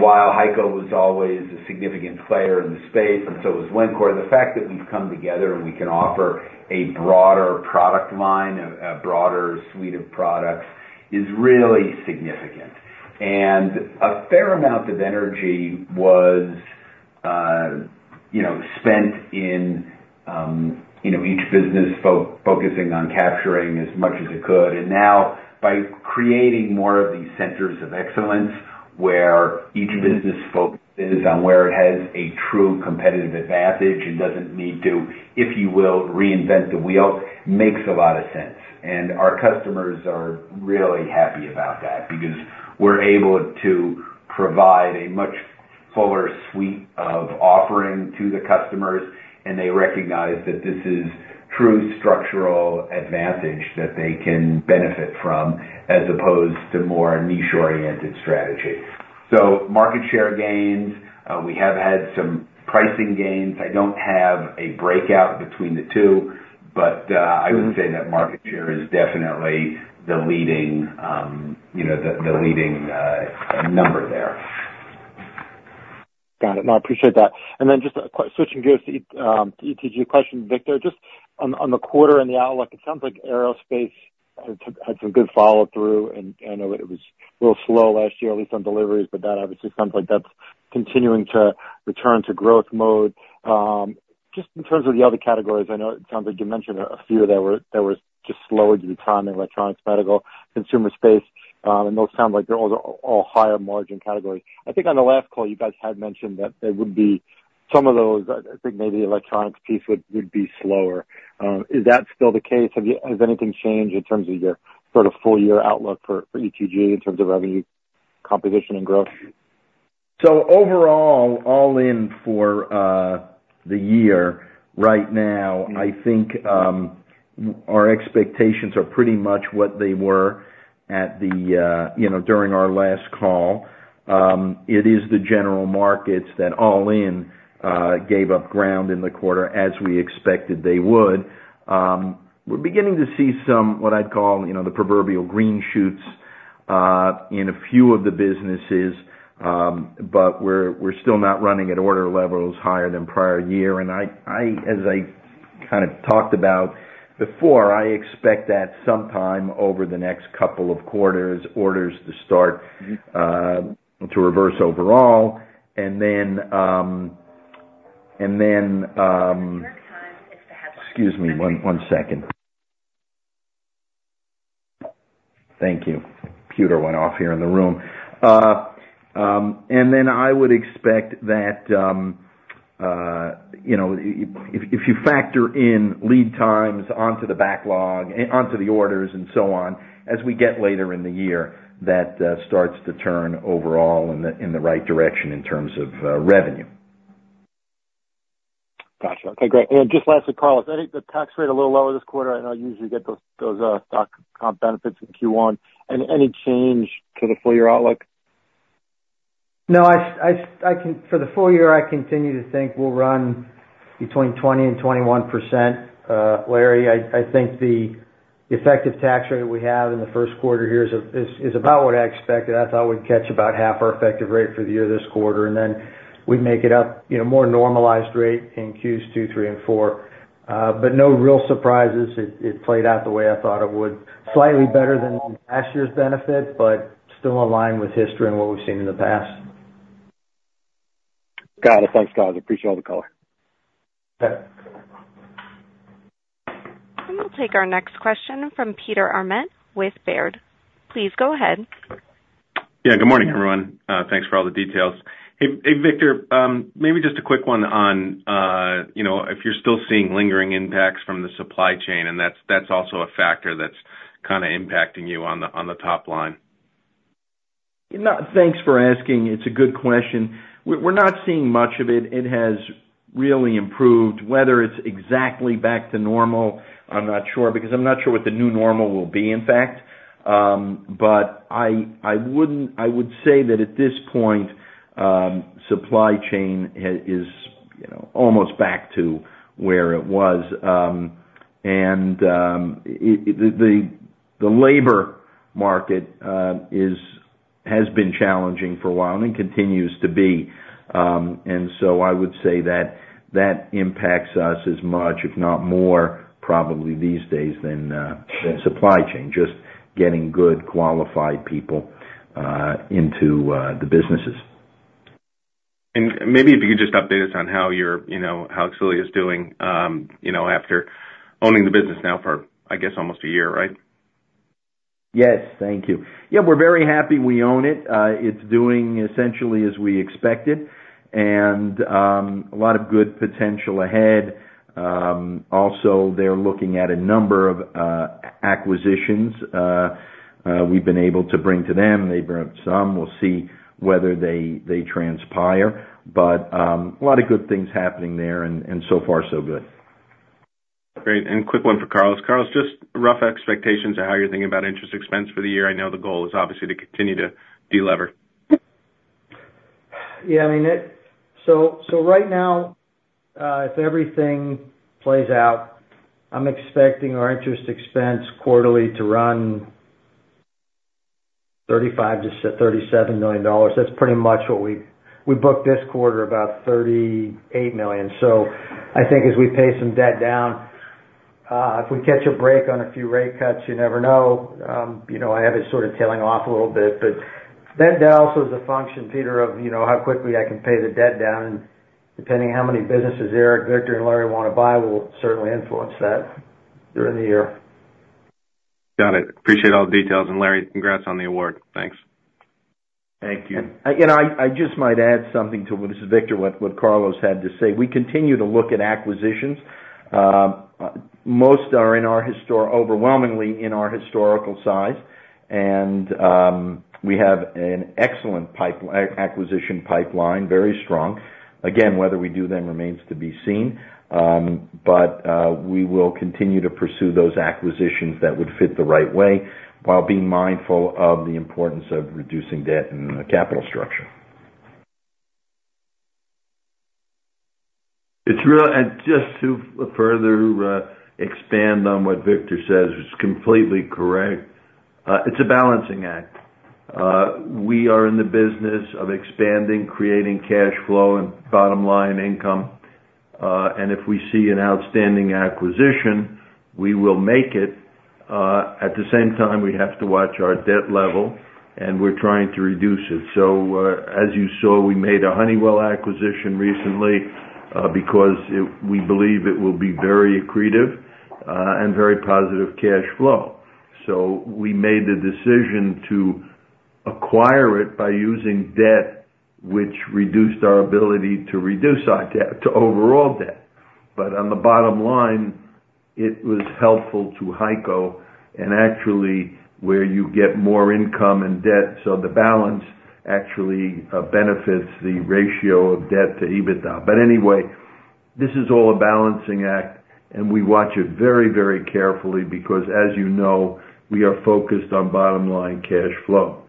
While HEICO was always a significant player in the space, and so was Wencor, the fact that we've come together and we can offer a broader product line, a broader suite of products, is really significant. A fair amount of energy was spent in each business focusing on capturing as much as it could. Now, by creating more of these centers of excellence where each business focuses on where it has a true competitive advantage and doesn't need to, if you will, reinvent the wheel, makes a lot of sense. Our customers are really happy about that because we're able to provide a much fuller suite of offering to the customers, and they recognize that this is true structural advantage that they can benefit from as opposed to more niche-oriented strategy. Market share gains. We have had some pricing gains. I don't have a breakout between the two, but I would say that market share is definitely the leading number there. Got it. No, I appreciate that. And then just switching gears to ETG question, Victor. Just on the quarter and the outlook, it sounds like aerospace had some good follow-through. And I know it was a little slow last year, at least on deliveries, but that obviously sounds like that's continuing to return to growth mode. Just in terms of the other categories, I know it sounds like you mentioned a few that were just slower due to timing: electronics, medical, consumer space. And those sound like they're all higher-margin categories. I think on the last call, you guys had mentioned that there would be some of those I think maybe the electronics piece would be slower. Is that still the case? Has anything changed in terms of your sort of full-year outlook for ETG in terms of revenue composition and growth? So overall, all-in for the year right now, I think our expectations are pretty much what they were during our last call. It is the general markets that all-in gave up ground in the quarter as we expected they would. We're beginning to see some what I'd call the proverbial green shoots in a few of the businesses, but we're still not running at order levels higher than prior year. And as I kind of talked about before, I expect that sometime over the next couple of quarters, orders to start to reverse overall. And then. Excuse me. One second. Thank you. Computer went off here in the room. And then I would expect that if you factor in lead times onto the backlog, onto the orders, and so on, as we get later in the year, that starts to turn overall in the right direction in terms of revenue. Gotcha. Okay. Great. And just lastly, Carlos, I think the tax rate a little lower this quarter. I know I usually get those stock comp benefits in Q1. Any change to the full-year outlook? No. For the full year, I continue to think we'll run between 20% and 21%. Larry, I think the effective tax rate we have in the first quarter here is about what I expected. I thought we'd catch about half our effective rate for the year this quarter, and then we'd make it up, more normalized rate, in Q2, Q3, and Q4. But no real surprises. It played out the way I thought it would. Slightly better than last year's benefits, but still in line with history and what we've seen in the past. Got it. Thanks, guys. Appreciate all the color. Okay. And we'll take our next question from Peter Arment with Baird. Please go ahead. Yeah. Good morning, everyone. Thanks for all the details. Hey, Victor, maybe just a quick one on if you're still seeing lingering impacts from the supply chain, and that's also a factor that's kind of impacting you on the top line. Thanks for asking. It's a good question. We're not seeing much of it. It has really improved. Whether it's exactly back to normal, I'm not sure because I'm not sure what the new normal will be, in fact. But I would say that at this point, supply chain is almost back to where it was. And the labor market has been challenging for a while and continues to be. And so I would say that that impacts us as much, if not more, probably these days than supply chain, just getting good qualified people into the businesses. Maybe if you could just update us on how Exxelia is doing after owning the business now for, I guess, almost a year, right? Yes. Thank you. Yeah. We're very happy. We own it. It's doing essentially as we expected, and a lot of good potential ahead. Also, they're looking at a number of acquisitions we've been able to bring to them. They've brought some. We'll see whether they transpire. But a lot of good things happening there, and so far, so good. Great. And quick one for Carlos. Carlos, just rough expectations of how you're thinking about interest expense for the year. I know the goal is obviously to continue to de-lever. Yeah. I mean, so right now, if everything plays out, I'm expecting our interest expense quarterly to run $35 million-$37 million. That's pretty much what we booked this quarter, about $38 million. So I think as we pay some debt down, if we catch a break on a few rate cuts, you never know. I have it sort of tailing off a little bit. But that also is a function, Peter, of how quickly I can pay the debt down. And depending on how many businesses Eric, Victor, and Larry want to buy, will certainly influence that during the year. Got it. Appreciate all the details. Larry, congrats on the award. Thanks. Thank you. I just might add something to what this is, Victor, what Carlos had to say. We continue to look at acquisitions. Most are overwhelmingly in our historical size, and we have an excellent acquisition pipeline, very strong. Again, whether we do them remains to be seen, but we will continue to pursue those acquisitions that would fit the right way while being mindful of the importance of reducing debt and capital structure. Just to further expand on what Victor says, which is completely correct, it's a balancing act. We are in the business of expanding, creating cash flow and bottom-line income. If we see an outstanding acquisition, we will make it. At the same time, we have to watch our debt level, and we're trying to reduce it. As you saw, we made a Honeywell acquisition recently because we believe it will be very accretive and very positive cash flow. We made the decision to acquire it by using debt, which reduced our ability to reduce overall debt. But on the bottom line, it was helpful to HEICO and actually where you get more income and debt, so the balance actually benefits the ratio of debt to EBITDA. But anyway, this is all a balancing act, and we watch it very, very carefully because, as you know, we are focused on bottom-line cash flow.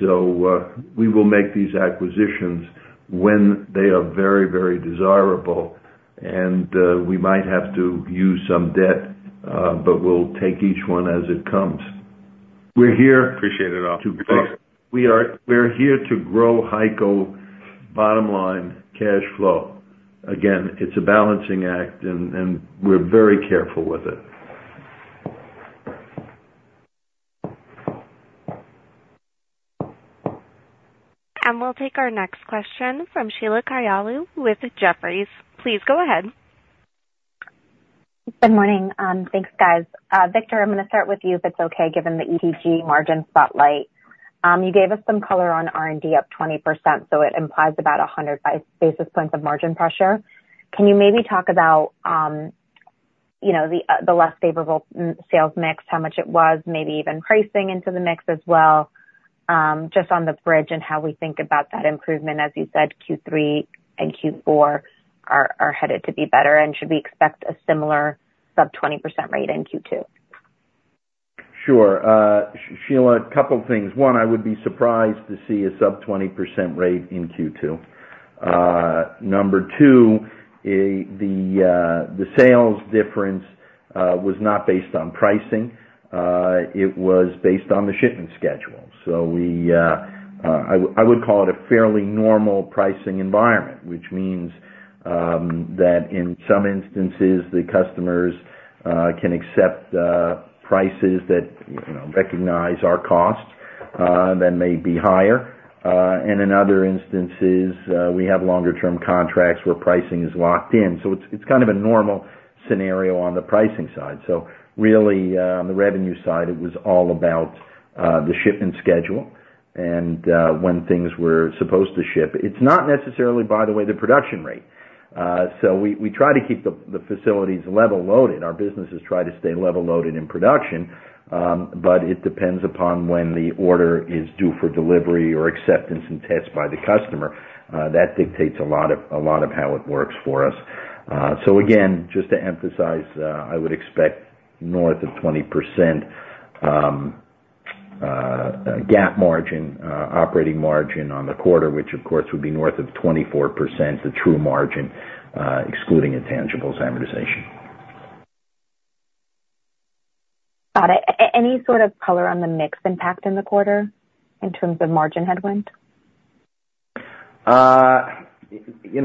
So we will make these acquisitions when they are very, very desirable, and we might have to use some debt, but we'll take each one as it comes. We're here. Appreciate it all. We're here to grow HEICO bottom-line cash flow. Again, it's a balancing act, and we're very careful with it. We'll take our next question from Sheila Kahyaoglu with Jefferies. Please go ahead. Good morning. Thanks, guys. Victor, I'm going to start with you, if it's okay, given the ETG margin spotlight. You gave us some color on R&D up 20%, so it implies about 100 basis points of margin pressure. Can you maybe talk about the less favorable sales mix, how much it was, maybe even pricing into the mix as well, just on the bridge and how we think about that improvement? As you said, Q3 and Q4 are headed to be better, and should we expect a similar sub-20% rate in Q2? Sure. Sheila, a couple of things. One, I would be surprised to see a sub-20% rate in Q2. Number two, the sales difference was not based on pricing. It was based on the shipment schedule. So I would call it a fairly normal pricing environment, which means that in some instances, the customers can accept prices that recognize our costs that may be higher. And in other instances, we have longer-term contracts where pricing is locked in. So it's kind of a normal scenario on the pricing side. So really, on the revenue side, it was all about the shipment schedule and when things were supposed to ship. It's not necessarily, by the way, the production rate. So we try to keep the facilities level loaded. Our businesses try to stay level loaded in production, but it depends upon when the order is due for delivery or acceptance and test by the customer. That dictates a lot of how it works for us. So again, just to emphasize, I would expect north of 20% gross margin, operating margin on the quarter, which, of course, would be north of 24%, the true margin excluding intangibles, amortization. Got it. Any sort of color on the mix impact in the quarter in terms of margin headwind?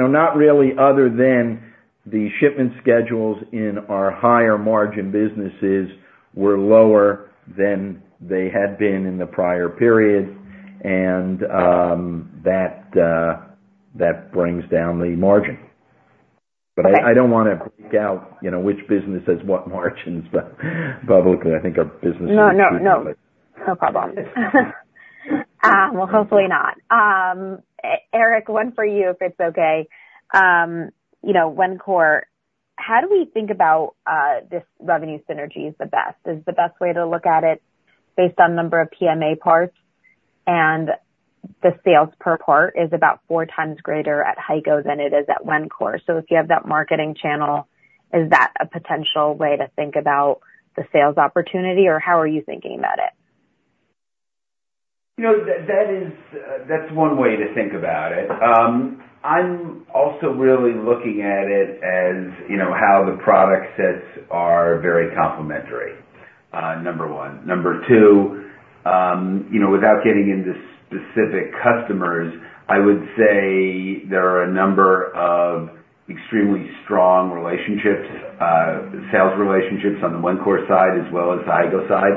Not really, other than the shipment schedules in our higher-margin businesses were lower than they had been in the prior period, and that brings down the margin. But I don't want to break out which business has what margins, but publicly, I think our business should be public. No, no, no. No problem. Well, hopefully not. Eric, one for you, if it's okay. Wencor, how do we think about this revenue synergy? Is the best way to look at it based on number of PMA parts? And the sales per part is about four times greater at HEICO than it is at Wencor. So if you have that marketing channel, is that a potential way to think about the sales opportunity, or how are you thinking about it? That's one way to think about it. I'm also really looking at it as how the product sets are very complementary, number one. Number two, without getting into specific customers, I would say there are a number of extremely strong sales relationships on the Wencor side as well as the HEICO side.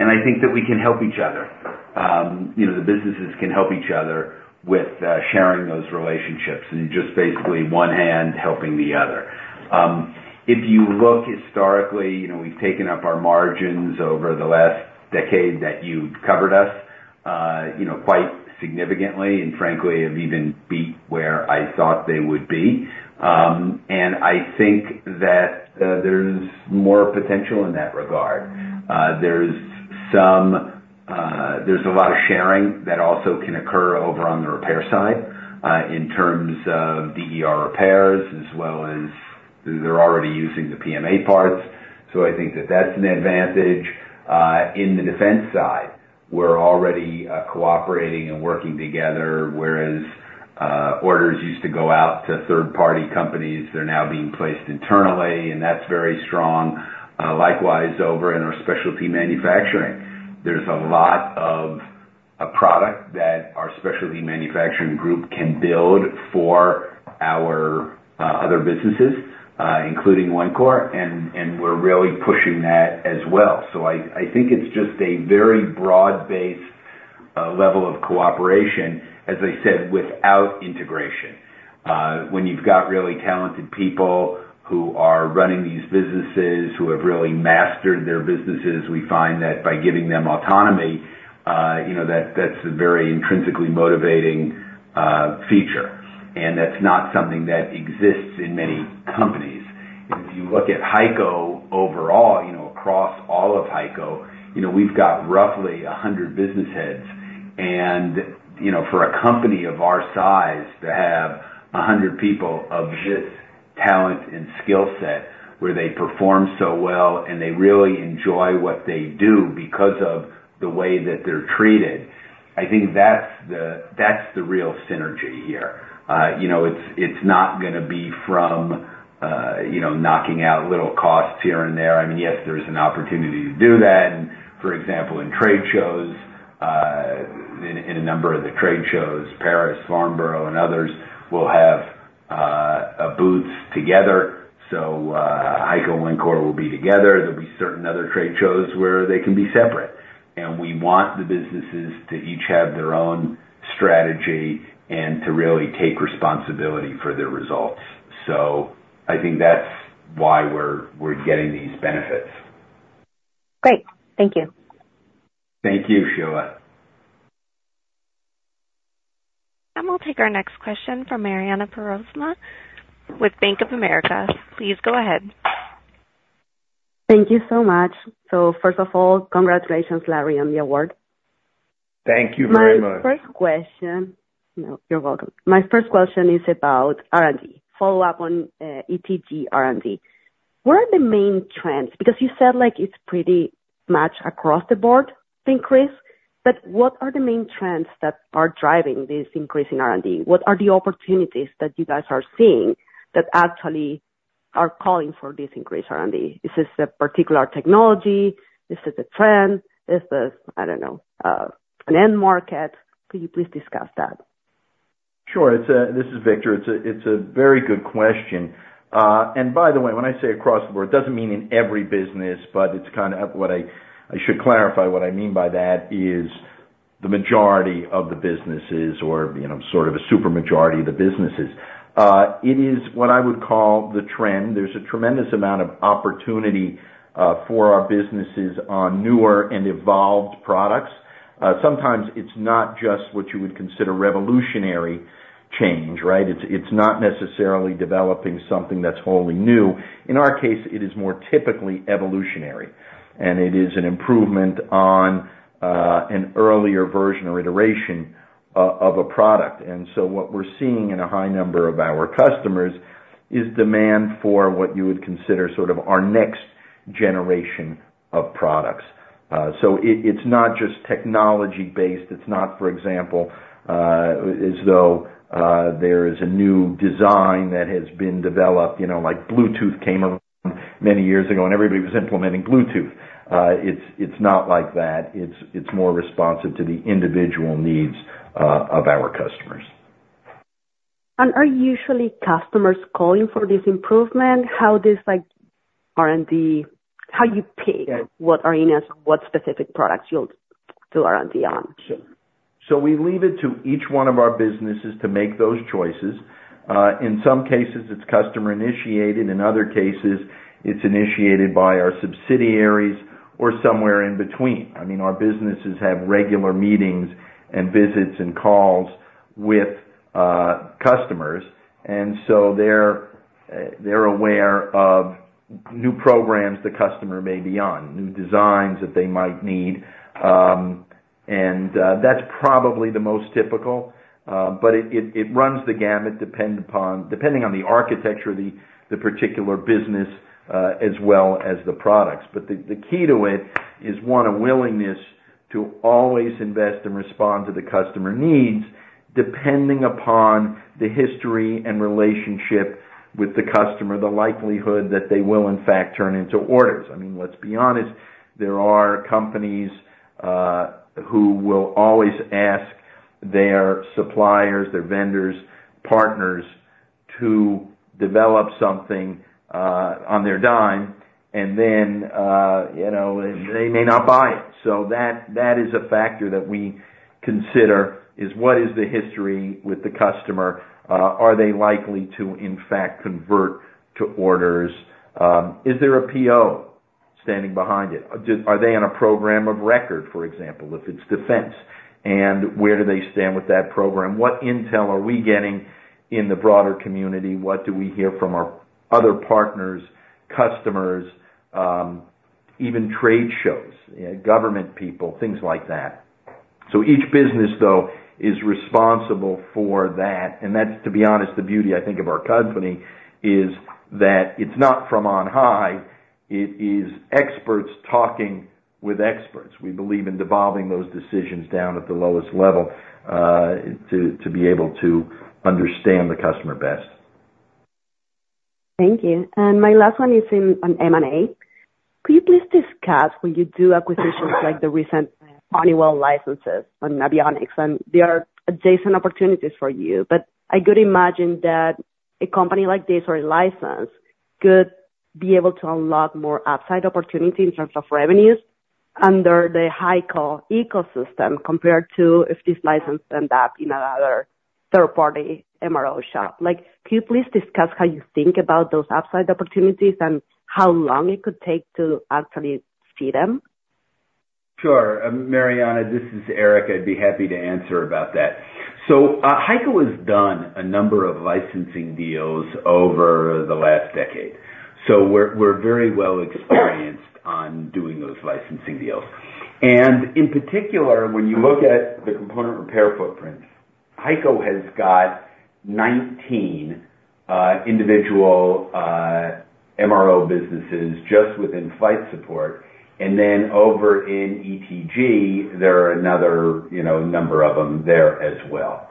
And I think that we can help each other. The businesses can help each other with sharing those relationships and just basically one hand helping the other. If you look historically, we've taken up our margins over the last decade that you covered us quite significantly and, frankly, have even beat where I thought they would be. And I think that there's more potential in that regard. There's a lot of sharing that also can occur over on the repair side in terms of DER repairs as well as they're already using the PMA parts. So I think that that's an advantage. In the defense side, we're already cooperating and working together, whereas orders used to go out to third-party companies, they're now being placed internally, and that's very strong. Likewise, over in our specialty manufacturing, there's a lot of product that our specialty manufacturing group can build for our other businesses, including Wencor, and we're really pushing that as well. So I think it's just a very broad-based level of cooperation, as I said, without integration. When you've got really talented people who are running these businesses, who have really mastered their businesses, we find that by giving them autonomy, that's a very intrinsically motivating feature. And that's not something that exists in many companies. If you look at HEICO overall, across all of HEICO, we've got roughly 100 business heads. And for a company of our size to have 100 people of this talent and skill set where they perform so well and they really enjoy what they do because of the way that they're treated, I think that's the real synergy here. It's not going to be from knocking out little costs here and there. I mean, yes, there's an opportunity to do that. For example, in trade shows, in a number of the trade shows, Paris, Farnborough, and others will have booths together. So HEICO and Wencor will be together. There'll be certain other trade shows where they can be separate. And we want the businesses to each have their own strategy and to really take responsibility for their results. So I think that's why we're getting these benefits. Great. Thank you. Thank you, Sheila. We'll take our next question from Mariana Perez Mora with Bank of America. Please go ahead. Thank you so much. First of all, congratulations, Larry, on the award. Thank you very much. My first question, no, you're welcome. My first question is about R&D, follow-up on ETG R&D. What are the main trends? Because you said it's pretty much across the board increase, but what are the main trends that are driving this increase in R&D? What are the opportunities that you guys are seeing that actually are calling for this increased R&D? Is this a particular technology? Is this a trend? Is this, I don't know, an end market? Could you please discuss that? Sure. This is Victor. It's a very good question. By the way, when I say across the board, it doesn't mean in every business, but it's kind of what I should clarify what I mean by that is the majority of the businesses or sort of a super majority of the businesses. It is what I would call the trend. There's a tremendous amount of opportunity for our businesses on newer and evolved products. Sometimes it's not just what you would consider revolutionary change, right? It's not necessarily developing something that's wholly new. In our case, it is more typically evolutionary, and it is an improvement on an earlier version or iteration of a product. So what we're seeing in a high number of our customers is demand for what you would consider sort of our next generation of products. So it's not just technology-based. It's not, for example, as though there is a new design that has been developed. Bluetooth came around many years ago, and everybody was implementing Bluetooth. It's not like that. It's more responsive to the individual needs of our customers. Are usually customers calling for this improvement? How does R&D, how you pick what areas or what specific products you'll do R&D on? So we leave it to each one of our businesses to make those choices. In some cases, it's customer-initiated. In other cases, it's initiated by our subsidiaries or somewhere in between. I mean, our businesses have regular meetings and visits and calls with customers, and so they're aware of new programs the customer may be on, new designs that they might need. And that's probably the most typical, but it runs the gamut depending on the architecture of the particular business as well as the products. But the key to it is, one, a willingness to always invest and respond to the customer needs depending upon the history and relationship with the customer, the likelihood that they will, in fact, turn into orders. I mean, let's be honest. There are companies who will always ask their suppliers, their vendors, partners to develop something on their dime, and then they may not buy it. So that is a factor that we consider is what is the history with the customer? Are they likely to, in fact, convert to orders? Is there a PO standing behind it? Are they on a program of record, for example, if it's defense? And where do they stand with that program? What intel are we getting in the broader community? What do we hear from our other partners, customers, even trade shows, government people, things like that? So each business, though, is responsible for that. And that's, to be honest, the beauty, I think, of our company is that it's not from on high. It is experts talking with experts. We believe in devolving those decisions down at the lowest level to be able to understand the customer best. Thank you. And my last one is on M&A. Could you please discuss when you do acquisitions like the recent Honeywell licenses on avionics? And they are adjacent opportunities for you, but I could imagine that a company like this or a license could be able to unlock more upside opportunity in terms of revenues under the HEICO ecosystem compared to if this license ends up in another third-party MRO shop. Could you please discuss how you think about those upside opportunities and how long it could take to actually see them? Sure. Mariana, this is Eric. I'd be happy to answer about that. So HEICO has done a number of licensing deals over the last decade. So we're very well experienced on doing those licensing deals. And in particular, when you look at the component repair footprint, HEICO has got 19 individual MRO businesses just within Flight Support. And then over in ETG, there are another number of them there as well.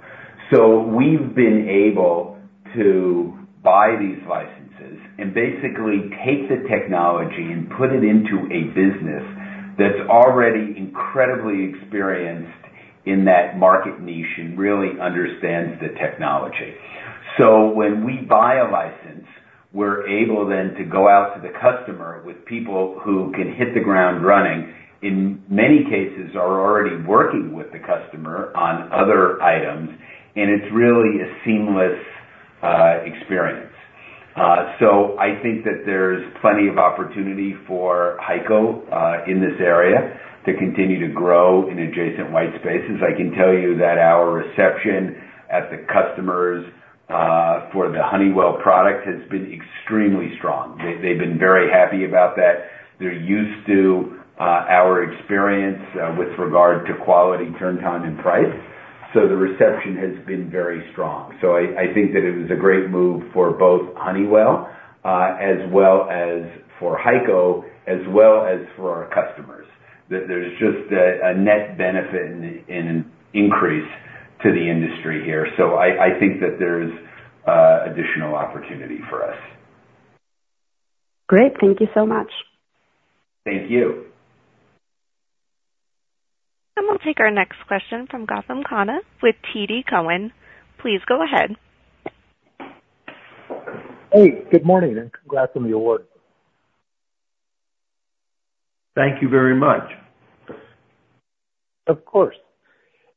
So we've been able to buy these licenses and basically take the technology and put it into a business that's already incredibly experienced in that market niche and really understands the technology. So when we buy a license, we're able then to go out to the customer with people who can hit the ground running, in many cases, are already working with the customer on other items, and it's really a seamless experience. So I think that there's plenty of opportunity for HEICO in this area to continue to grow in adjacent white spaces. I can tell you that our reception at the customers for the Honeywell product has been extremely strong. They've been very happy about that. They're used to our experience with regard to quality, turn time, and price. So the reception has been very strong. So I think that it was a great move for both Honeywell as well as for HEICO as well as for our customers. There's just a net benefit and an increase to the industry here. So I think that there's additional opportunity for us. Great. Thank you so much. Thank you. We'll take our next question from Gautam Khanna with TD Cowen. Please go ahead. Hey. Good morning and congrats on the award. Thank you very much. Of course.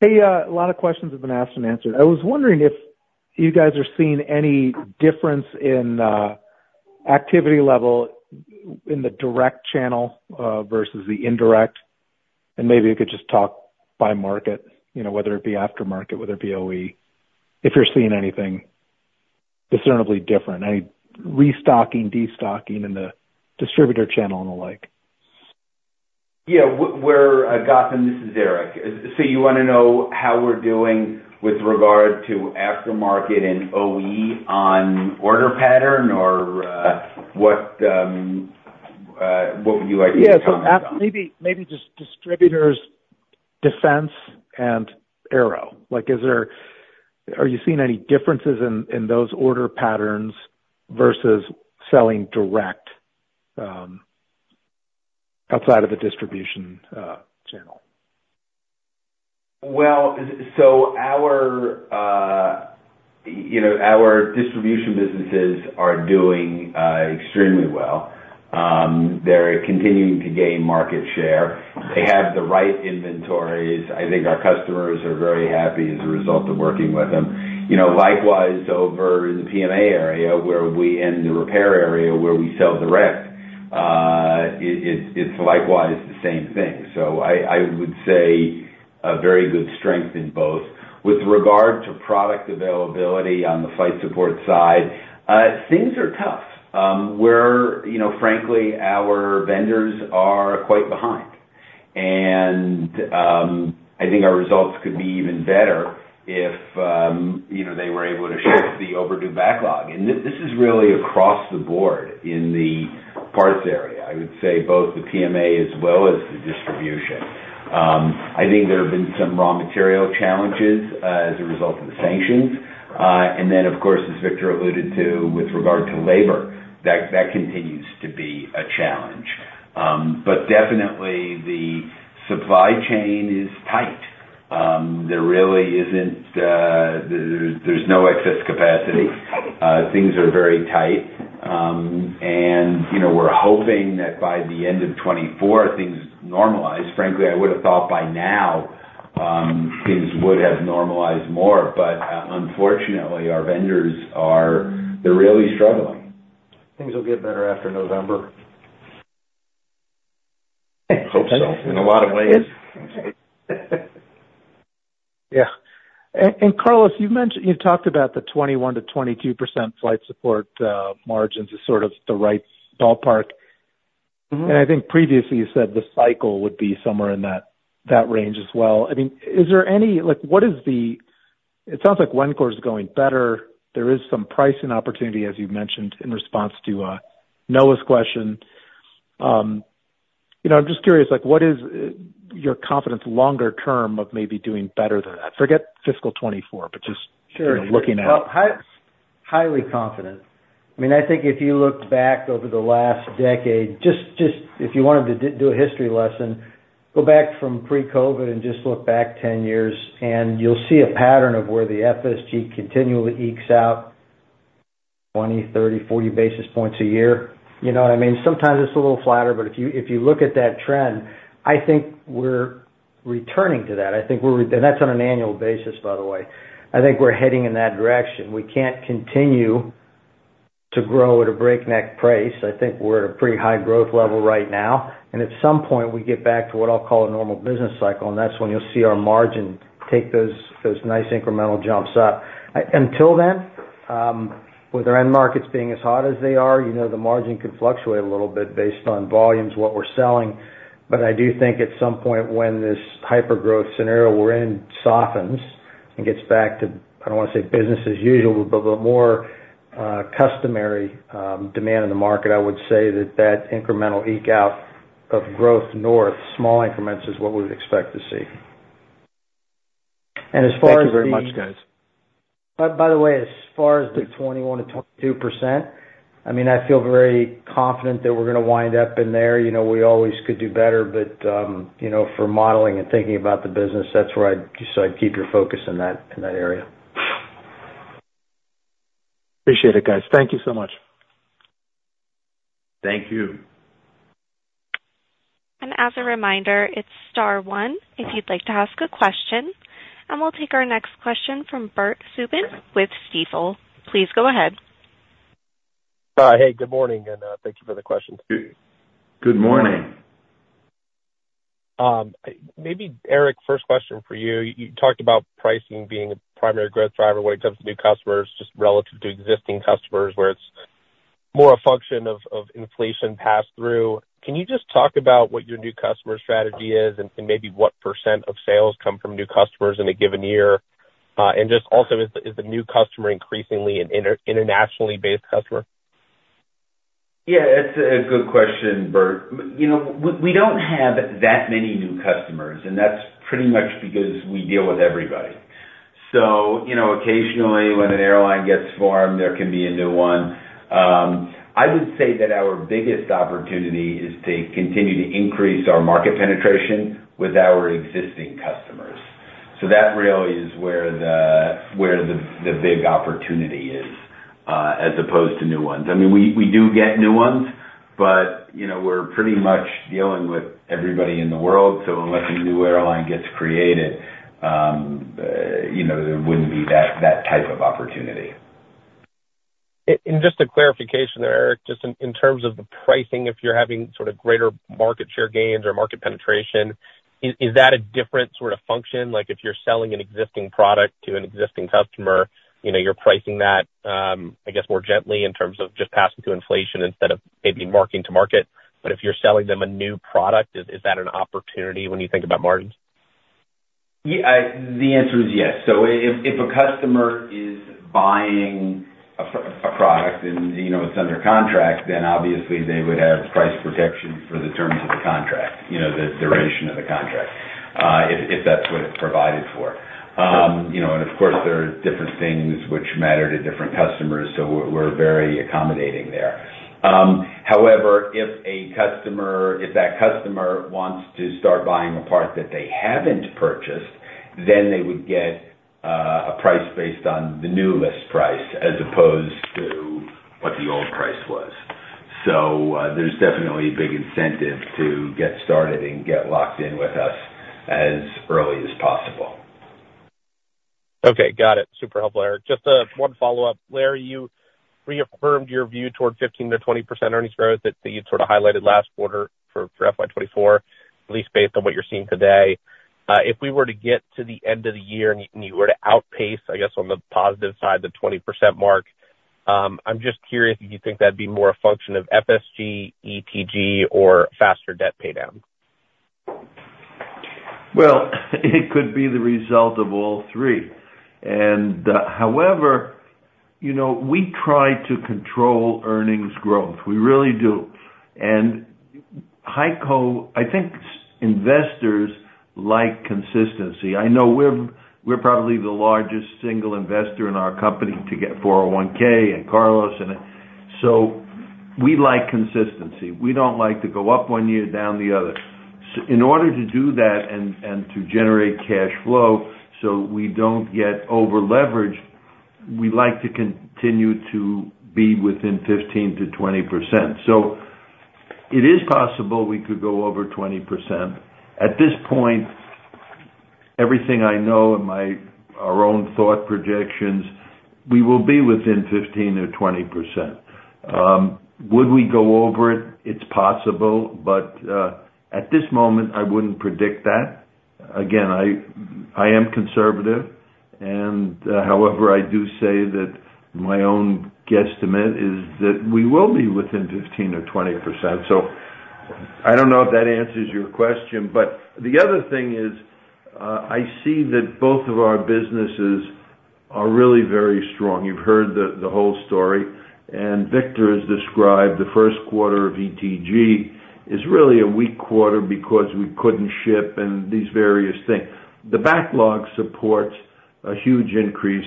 Hey, a lot of questions have been asked and answered. I was wondering if you guys are seeing any difference in activity level in the direct channel versus the indirect. And maybe you could just talk by market, whether it be aftermarket, whether it be OE, if you're seeing anything discernibly different, any restocking, destocking in the distributor channel and the like. Yeah. Gautam, this is Eric. So you want to know how we're doing with regard to aftermarket and OE on order pattern, or what would you like me to comment on? Yeah. So maybe just distributors, defense, and aero. Are you seeing any differences in those order patterns versus selling direct outside of the distribution channel? Well, so our distribution businesses are doing extremely well. They're continuing to gain market share. They have the right inventories. I think our customers are very happy as a result of working with them. Likewise, over in the PMA area where we in the repair area where we sell direct, it's likewise the same thing. So I would say a very good strength in both. With regard to product availability on the Flight Support side, things are tough where, frankly, our vendors are quite behind. And I think our results could be even better if they were able to shift the overdue backlog. And this is really across the board in the parts area, I would say, both the PMA as well as the distribution. I think there have been some raw material challenges as a result of the sanctions. And then, of course, as Victor alluded to, with regard to labor, that continues to be a challenge. But definitely, the supply chain is tight. There really isn't. There's no excess capacity. Things are very tight. And we're hoping that by the end of 2024, things normalize. Frankly, I would have thought by now, things would have normalized more. But unfortunately, our vendors, they're really struggling. Things will get better after November. Hope so in a lot of ways. Yeah. And Carlos, you've talked about the 21%-22% Flight Support margins as sort of the right ballpark. And I think previously, you said the cycle would be somewhere in that range as well. I mean, is there any? What is the? It sounds like Wencor is going better. There is some pricing opportunity, as you mentioned, in response to Noah's question. I'm just curious, what is your confidence longer term of maybe doing better than that? Forget fiscal 2024, but just looking at. Sure. Well, highly confident. I mean, I think if you look back over the last decade, just if you wanted to do a history lesson, go back from pre-COVID and just look back 10 years, and you'll see a pattern of where the FSG continually squeaks out 20, 30, 40 basis points a year. You know what I mean? Sometimes it's a little flatter, but if you look at that trend, I think we're returning to that. And that's on an annual basis, by the way. I think we're heading in that direction. We can't continue to grow at a breakneck pace. I think we're at a pretty high growth level right now. And at some point, we get back to what I'll call a normal business cycle, and that's when you'll see our margin take those nice incremental jumps up. Until then, with our end markets being as hot as they are, the margin could fluctuate a little bit based on volumes, what we're selling. But I do think at some point when this hypergrowth scenario we're in softens and gets back to, I don't want to say business as usual, but more customary demand in the market, I would say that that incremental eke out of growth north, small increments, is what we would expect to see. And as far as the. Thank you very much, guys. By the way, as far as the 21%-22%, I mean, I feel very confident that we're going to wind up in there. We always could do better, but for modeling and thinking about the business, that's where I'd keep your focus in that area. Appreciate it, guys. Thank you so much. Thank you. As a reminder, it's star one if you'd like to ask a question. We'll take our next question from Bert Subin with Stifel. Please go ahead. Hi. Hey, good morning, and thank you for the question. Good morning. Maybe, Eric, first question for you. You talked about pricing being a primary growth driver when it comes to new customers, just relative to existing customers where it's more a function of inflation passed through. Can you just talk about what your new customer strategy is and maybe what percent of sales come from new customers in a given year? And just also, is the new customer increasingly an internationally based customer? Yeah. That's a good question, Bert. We don't have that many new customers, and that's pretty much because we deal with everybody. So occasionally, when an airline gets formed, there can be a new one. I would say that our biggest opportunity is to continue to increase our market penetration with our existing customers. So that really is where the big opportunity is as opposed to new ones. I mean, we do get new ones, but we're pretty much dealing with everybody in the world. So unless a new airline gets created, there wouldn't be that type of opportunity. Just a clarification there, Eric, just in terms of the pricing, if you're having sort of greater market share gains or market penetration, is that a different sort of function? If you're selling an existing product to an existing customer, you're pricing that, I guess, more gently in terms of just passing through inflation instead of maybe marking to market. But if you're selling them a new product, is that an opportunity when you think about margins? Yeah. The answer is yes. So if a customer is buying a product and it's under contract, then obviously, they would have price protection for the terms of the contract, the duration of the contract, if that's what it's provided for. And of course, there are different things which matter to different customers, so we're very accommodating there. However, if that customer wants to start buying a part that they haven't purchased, then they would get a price based on the newest price as opposed to what the old price was. So there's definitely a big incentive to get started and get locked in with us as early as possible. Okay. Got it. Super helpful, Eric. Just one follow-up. Larry, you reaffirmed your view toward 15%-20% earnings growth that you sort of highlighted last quarter for FY2024, at least based on what you're seeing today. If we were to get to the end of the year and you were to outpace, I guess, on the positive side, the 20% mark, I'm just curious if you think that'd be more a function of FSG, ETG, or faster debt paydown. Well, it could be the result of all three. However, we try to control earnings growth. We really do. HEICO, I think investors like consistency. I know we're probably the largest single investor in our company together with 401(k) and Carlos. So we like consistency. We don't like to go up one year, down the other. In order to do that and to generate cash flow so we don't get over-leveraged, we like to continue to be within 15%-20%. So it is possible we could go over 20%. At this point, everything I know and our own thought projections, we will be within 15%-20%. Would we go over it? It's possible. But at this moment, I wouldn't predict that. Again, I am conservative. However, I do say that my own guesstimate is that we will be within 15%-20%. So I don't know if that answers your question. But the other thing is I see that both of our businesses are really very strong. You've heard the whole story. Victor has described the first quarter of ETG is really a weak quarter because we couldn't ship and these various things. The backlog supports a huge increase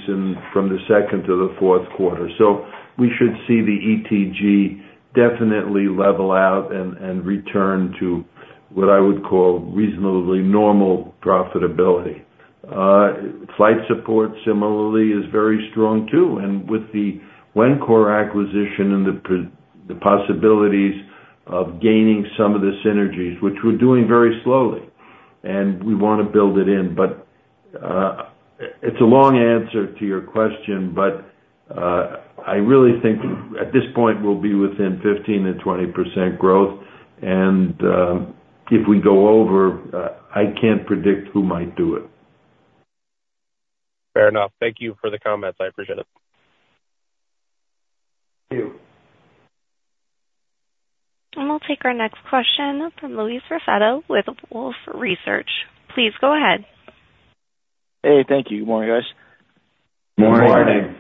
from the second to the fourth quarter. So we should see the ETG definitely level out and return to what I would call reasonably normal profitability. Flight Support, similarly, is very strong too. With the Wencor acquisition and the possibilities of gaining some of the synergies, which we're doing very slowly, and we want to build it in but it's a long answer to your question, but I really think at this point, we'll be within 15%-20% growth. If we go over, I can't predict who might do it. Fair enough. Thank you for the comments. I appreciate it. Thank you. We'll take our next question from Louis Raffetto with Wolfe Research. Please go ahead. Hey. Thank you. Good morning, guys. Morning.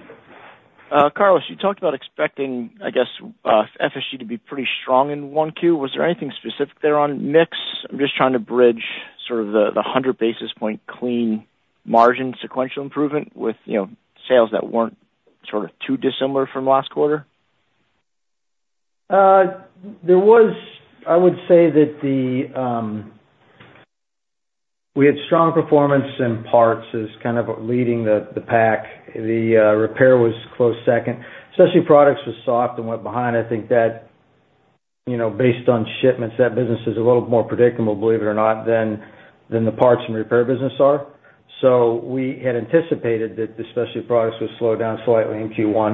Carlos, you talked about expecting, I guess, FSG to be pretty strong in 1Q. Was there anything specific there on mix? I'm just trying to bridge sort of the 100 basis point clean margin sequential improvement with sales that weren't sort of too dissimilar from last quarter. I would say that we had strong performance in parts as kind of leading the pack. The repair was a close second. Specialty products was soft and went behind. I think that based on shipments, that business is a little more predictable, believe it or not, than the parts and repair business are. So we had anticipated that the specialty products would slow down slightly in Q1,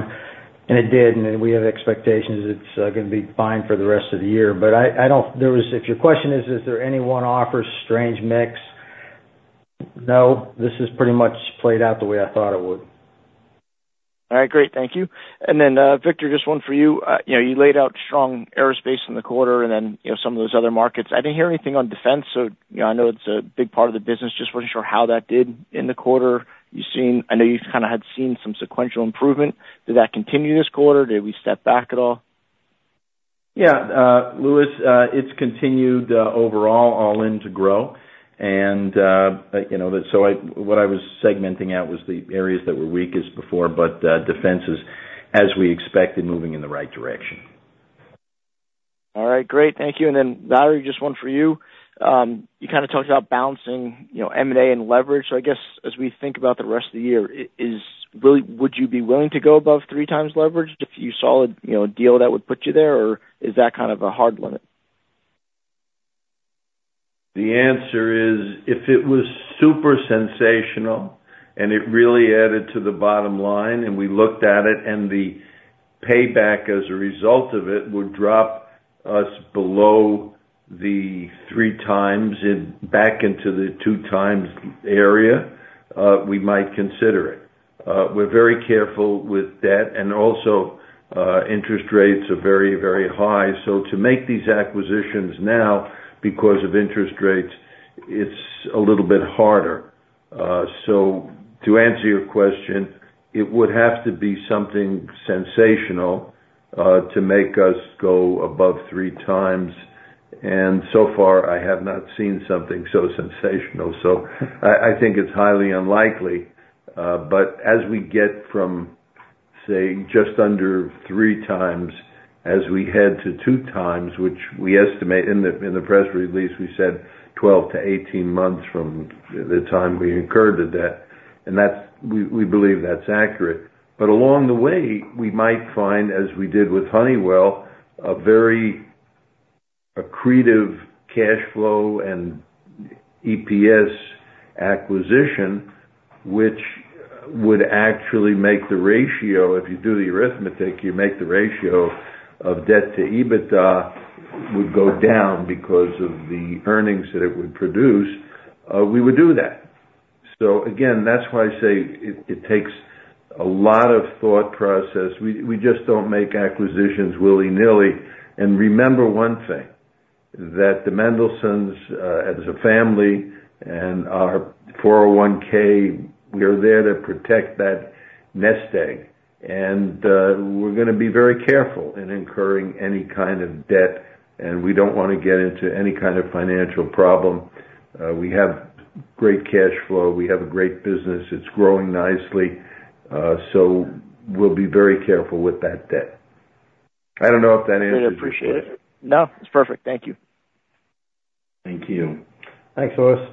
and it did. And then we have expectations it's going to be fine for the rest of the year. But if your question is, is there any other strange mix? No, this has pretty much played out the way I thought it would. All right. Great. Thank you. And then, Victor, just one for you. You laid out strong aerospace in the quarter and then some of those other markets. I didn't hear anything on defense, so I know it's a big part of the business. Just wasn't sure how that did in the quarter. I know you kind of had seen some sequential improvement. Did that continue this quarter? Did we step back at all? Yeah. Louis, it's continued overall all in to grow. And so what I was segmenting out was the areas that were weakest before, but defense is, as we expected, moving in the right direction. All right. Great. Thank you. And then, Larry, just one for you. You kind of talked about balancing M&A and leverage. So I guess as we think about the rest of the year, would you be willing to go above 3x leverage? Just a solid deal that would put you there, or is that kind of a hard limit? The answer is if it was super sensational and it really added to the bottom line and we looked at it and the payback as a result of it would drop us below the 3x back into the 2x area, we might consider it. We're very careful with debt. And also, interest rates are very, very high. So to make these acquisitions now because of interest rates, it's a little bit harder. So to answer your question, it would have to be something sensational to make us go above 3x. And so far, I have not seen something so sensational. So I think it's highly unlikely. But as we get from, say, just under 3x as we head to 2x, which we estimate in the press release, we said 12-18 months from the time we incurred the debt. And we believe that's accurate. But along the way, we might find, as we did with Honeywell, a very accretive cash flow and EPS acquisition, which would actually make the ratio if you do the arithmetic, you make the ratio of debt to EBITDA would go down because of the earnings that it would produce. We would do that. So again, that's why I say it takes a lot of thought process. We just don't make acquisitions willy-nilly. And remember one thing, that the Mendelsons as a family and our 401(k), we are there to protect that nest egg. And we're going to be very careful in incurring any kind of debt. And we don't want to get into any kind of financial problem. We have great cash flow. We have a great business. It's growing nicely. So we'll be very careful with that debt. I don't know if that answers your question. I really appreciate it. No, it's perfect. Thank you. Thank you. Thanks, Louis.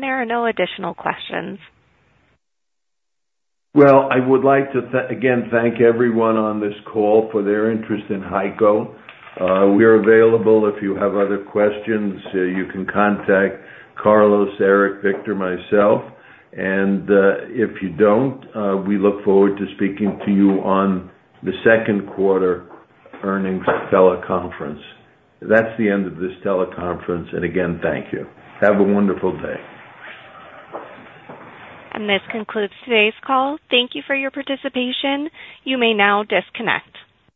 There are no additional questions. Well, I would like to, again, thank everyone on this call for their interest in HEICO. We're available. If you have other questions, you can contact Carlos, Eric, Victor, myself. And if you don't, we look forward to speaking to you on the second quarter earnings teleconference. That's the end of this teleconference. And again, thank you. Have a wonderful day. This concludes today's call. Thank you for your participation. You may now disconnect.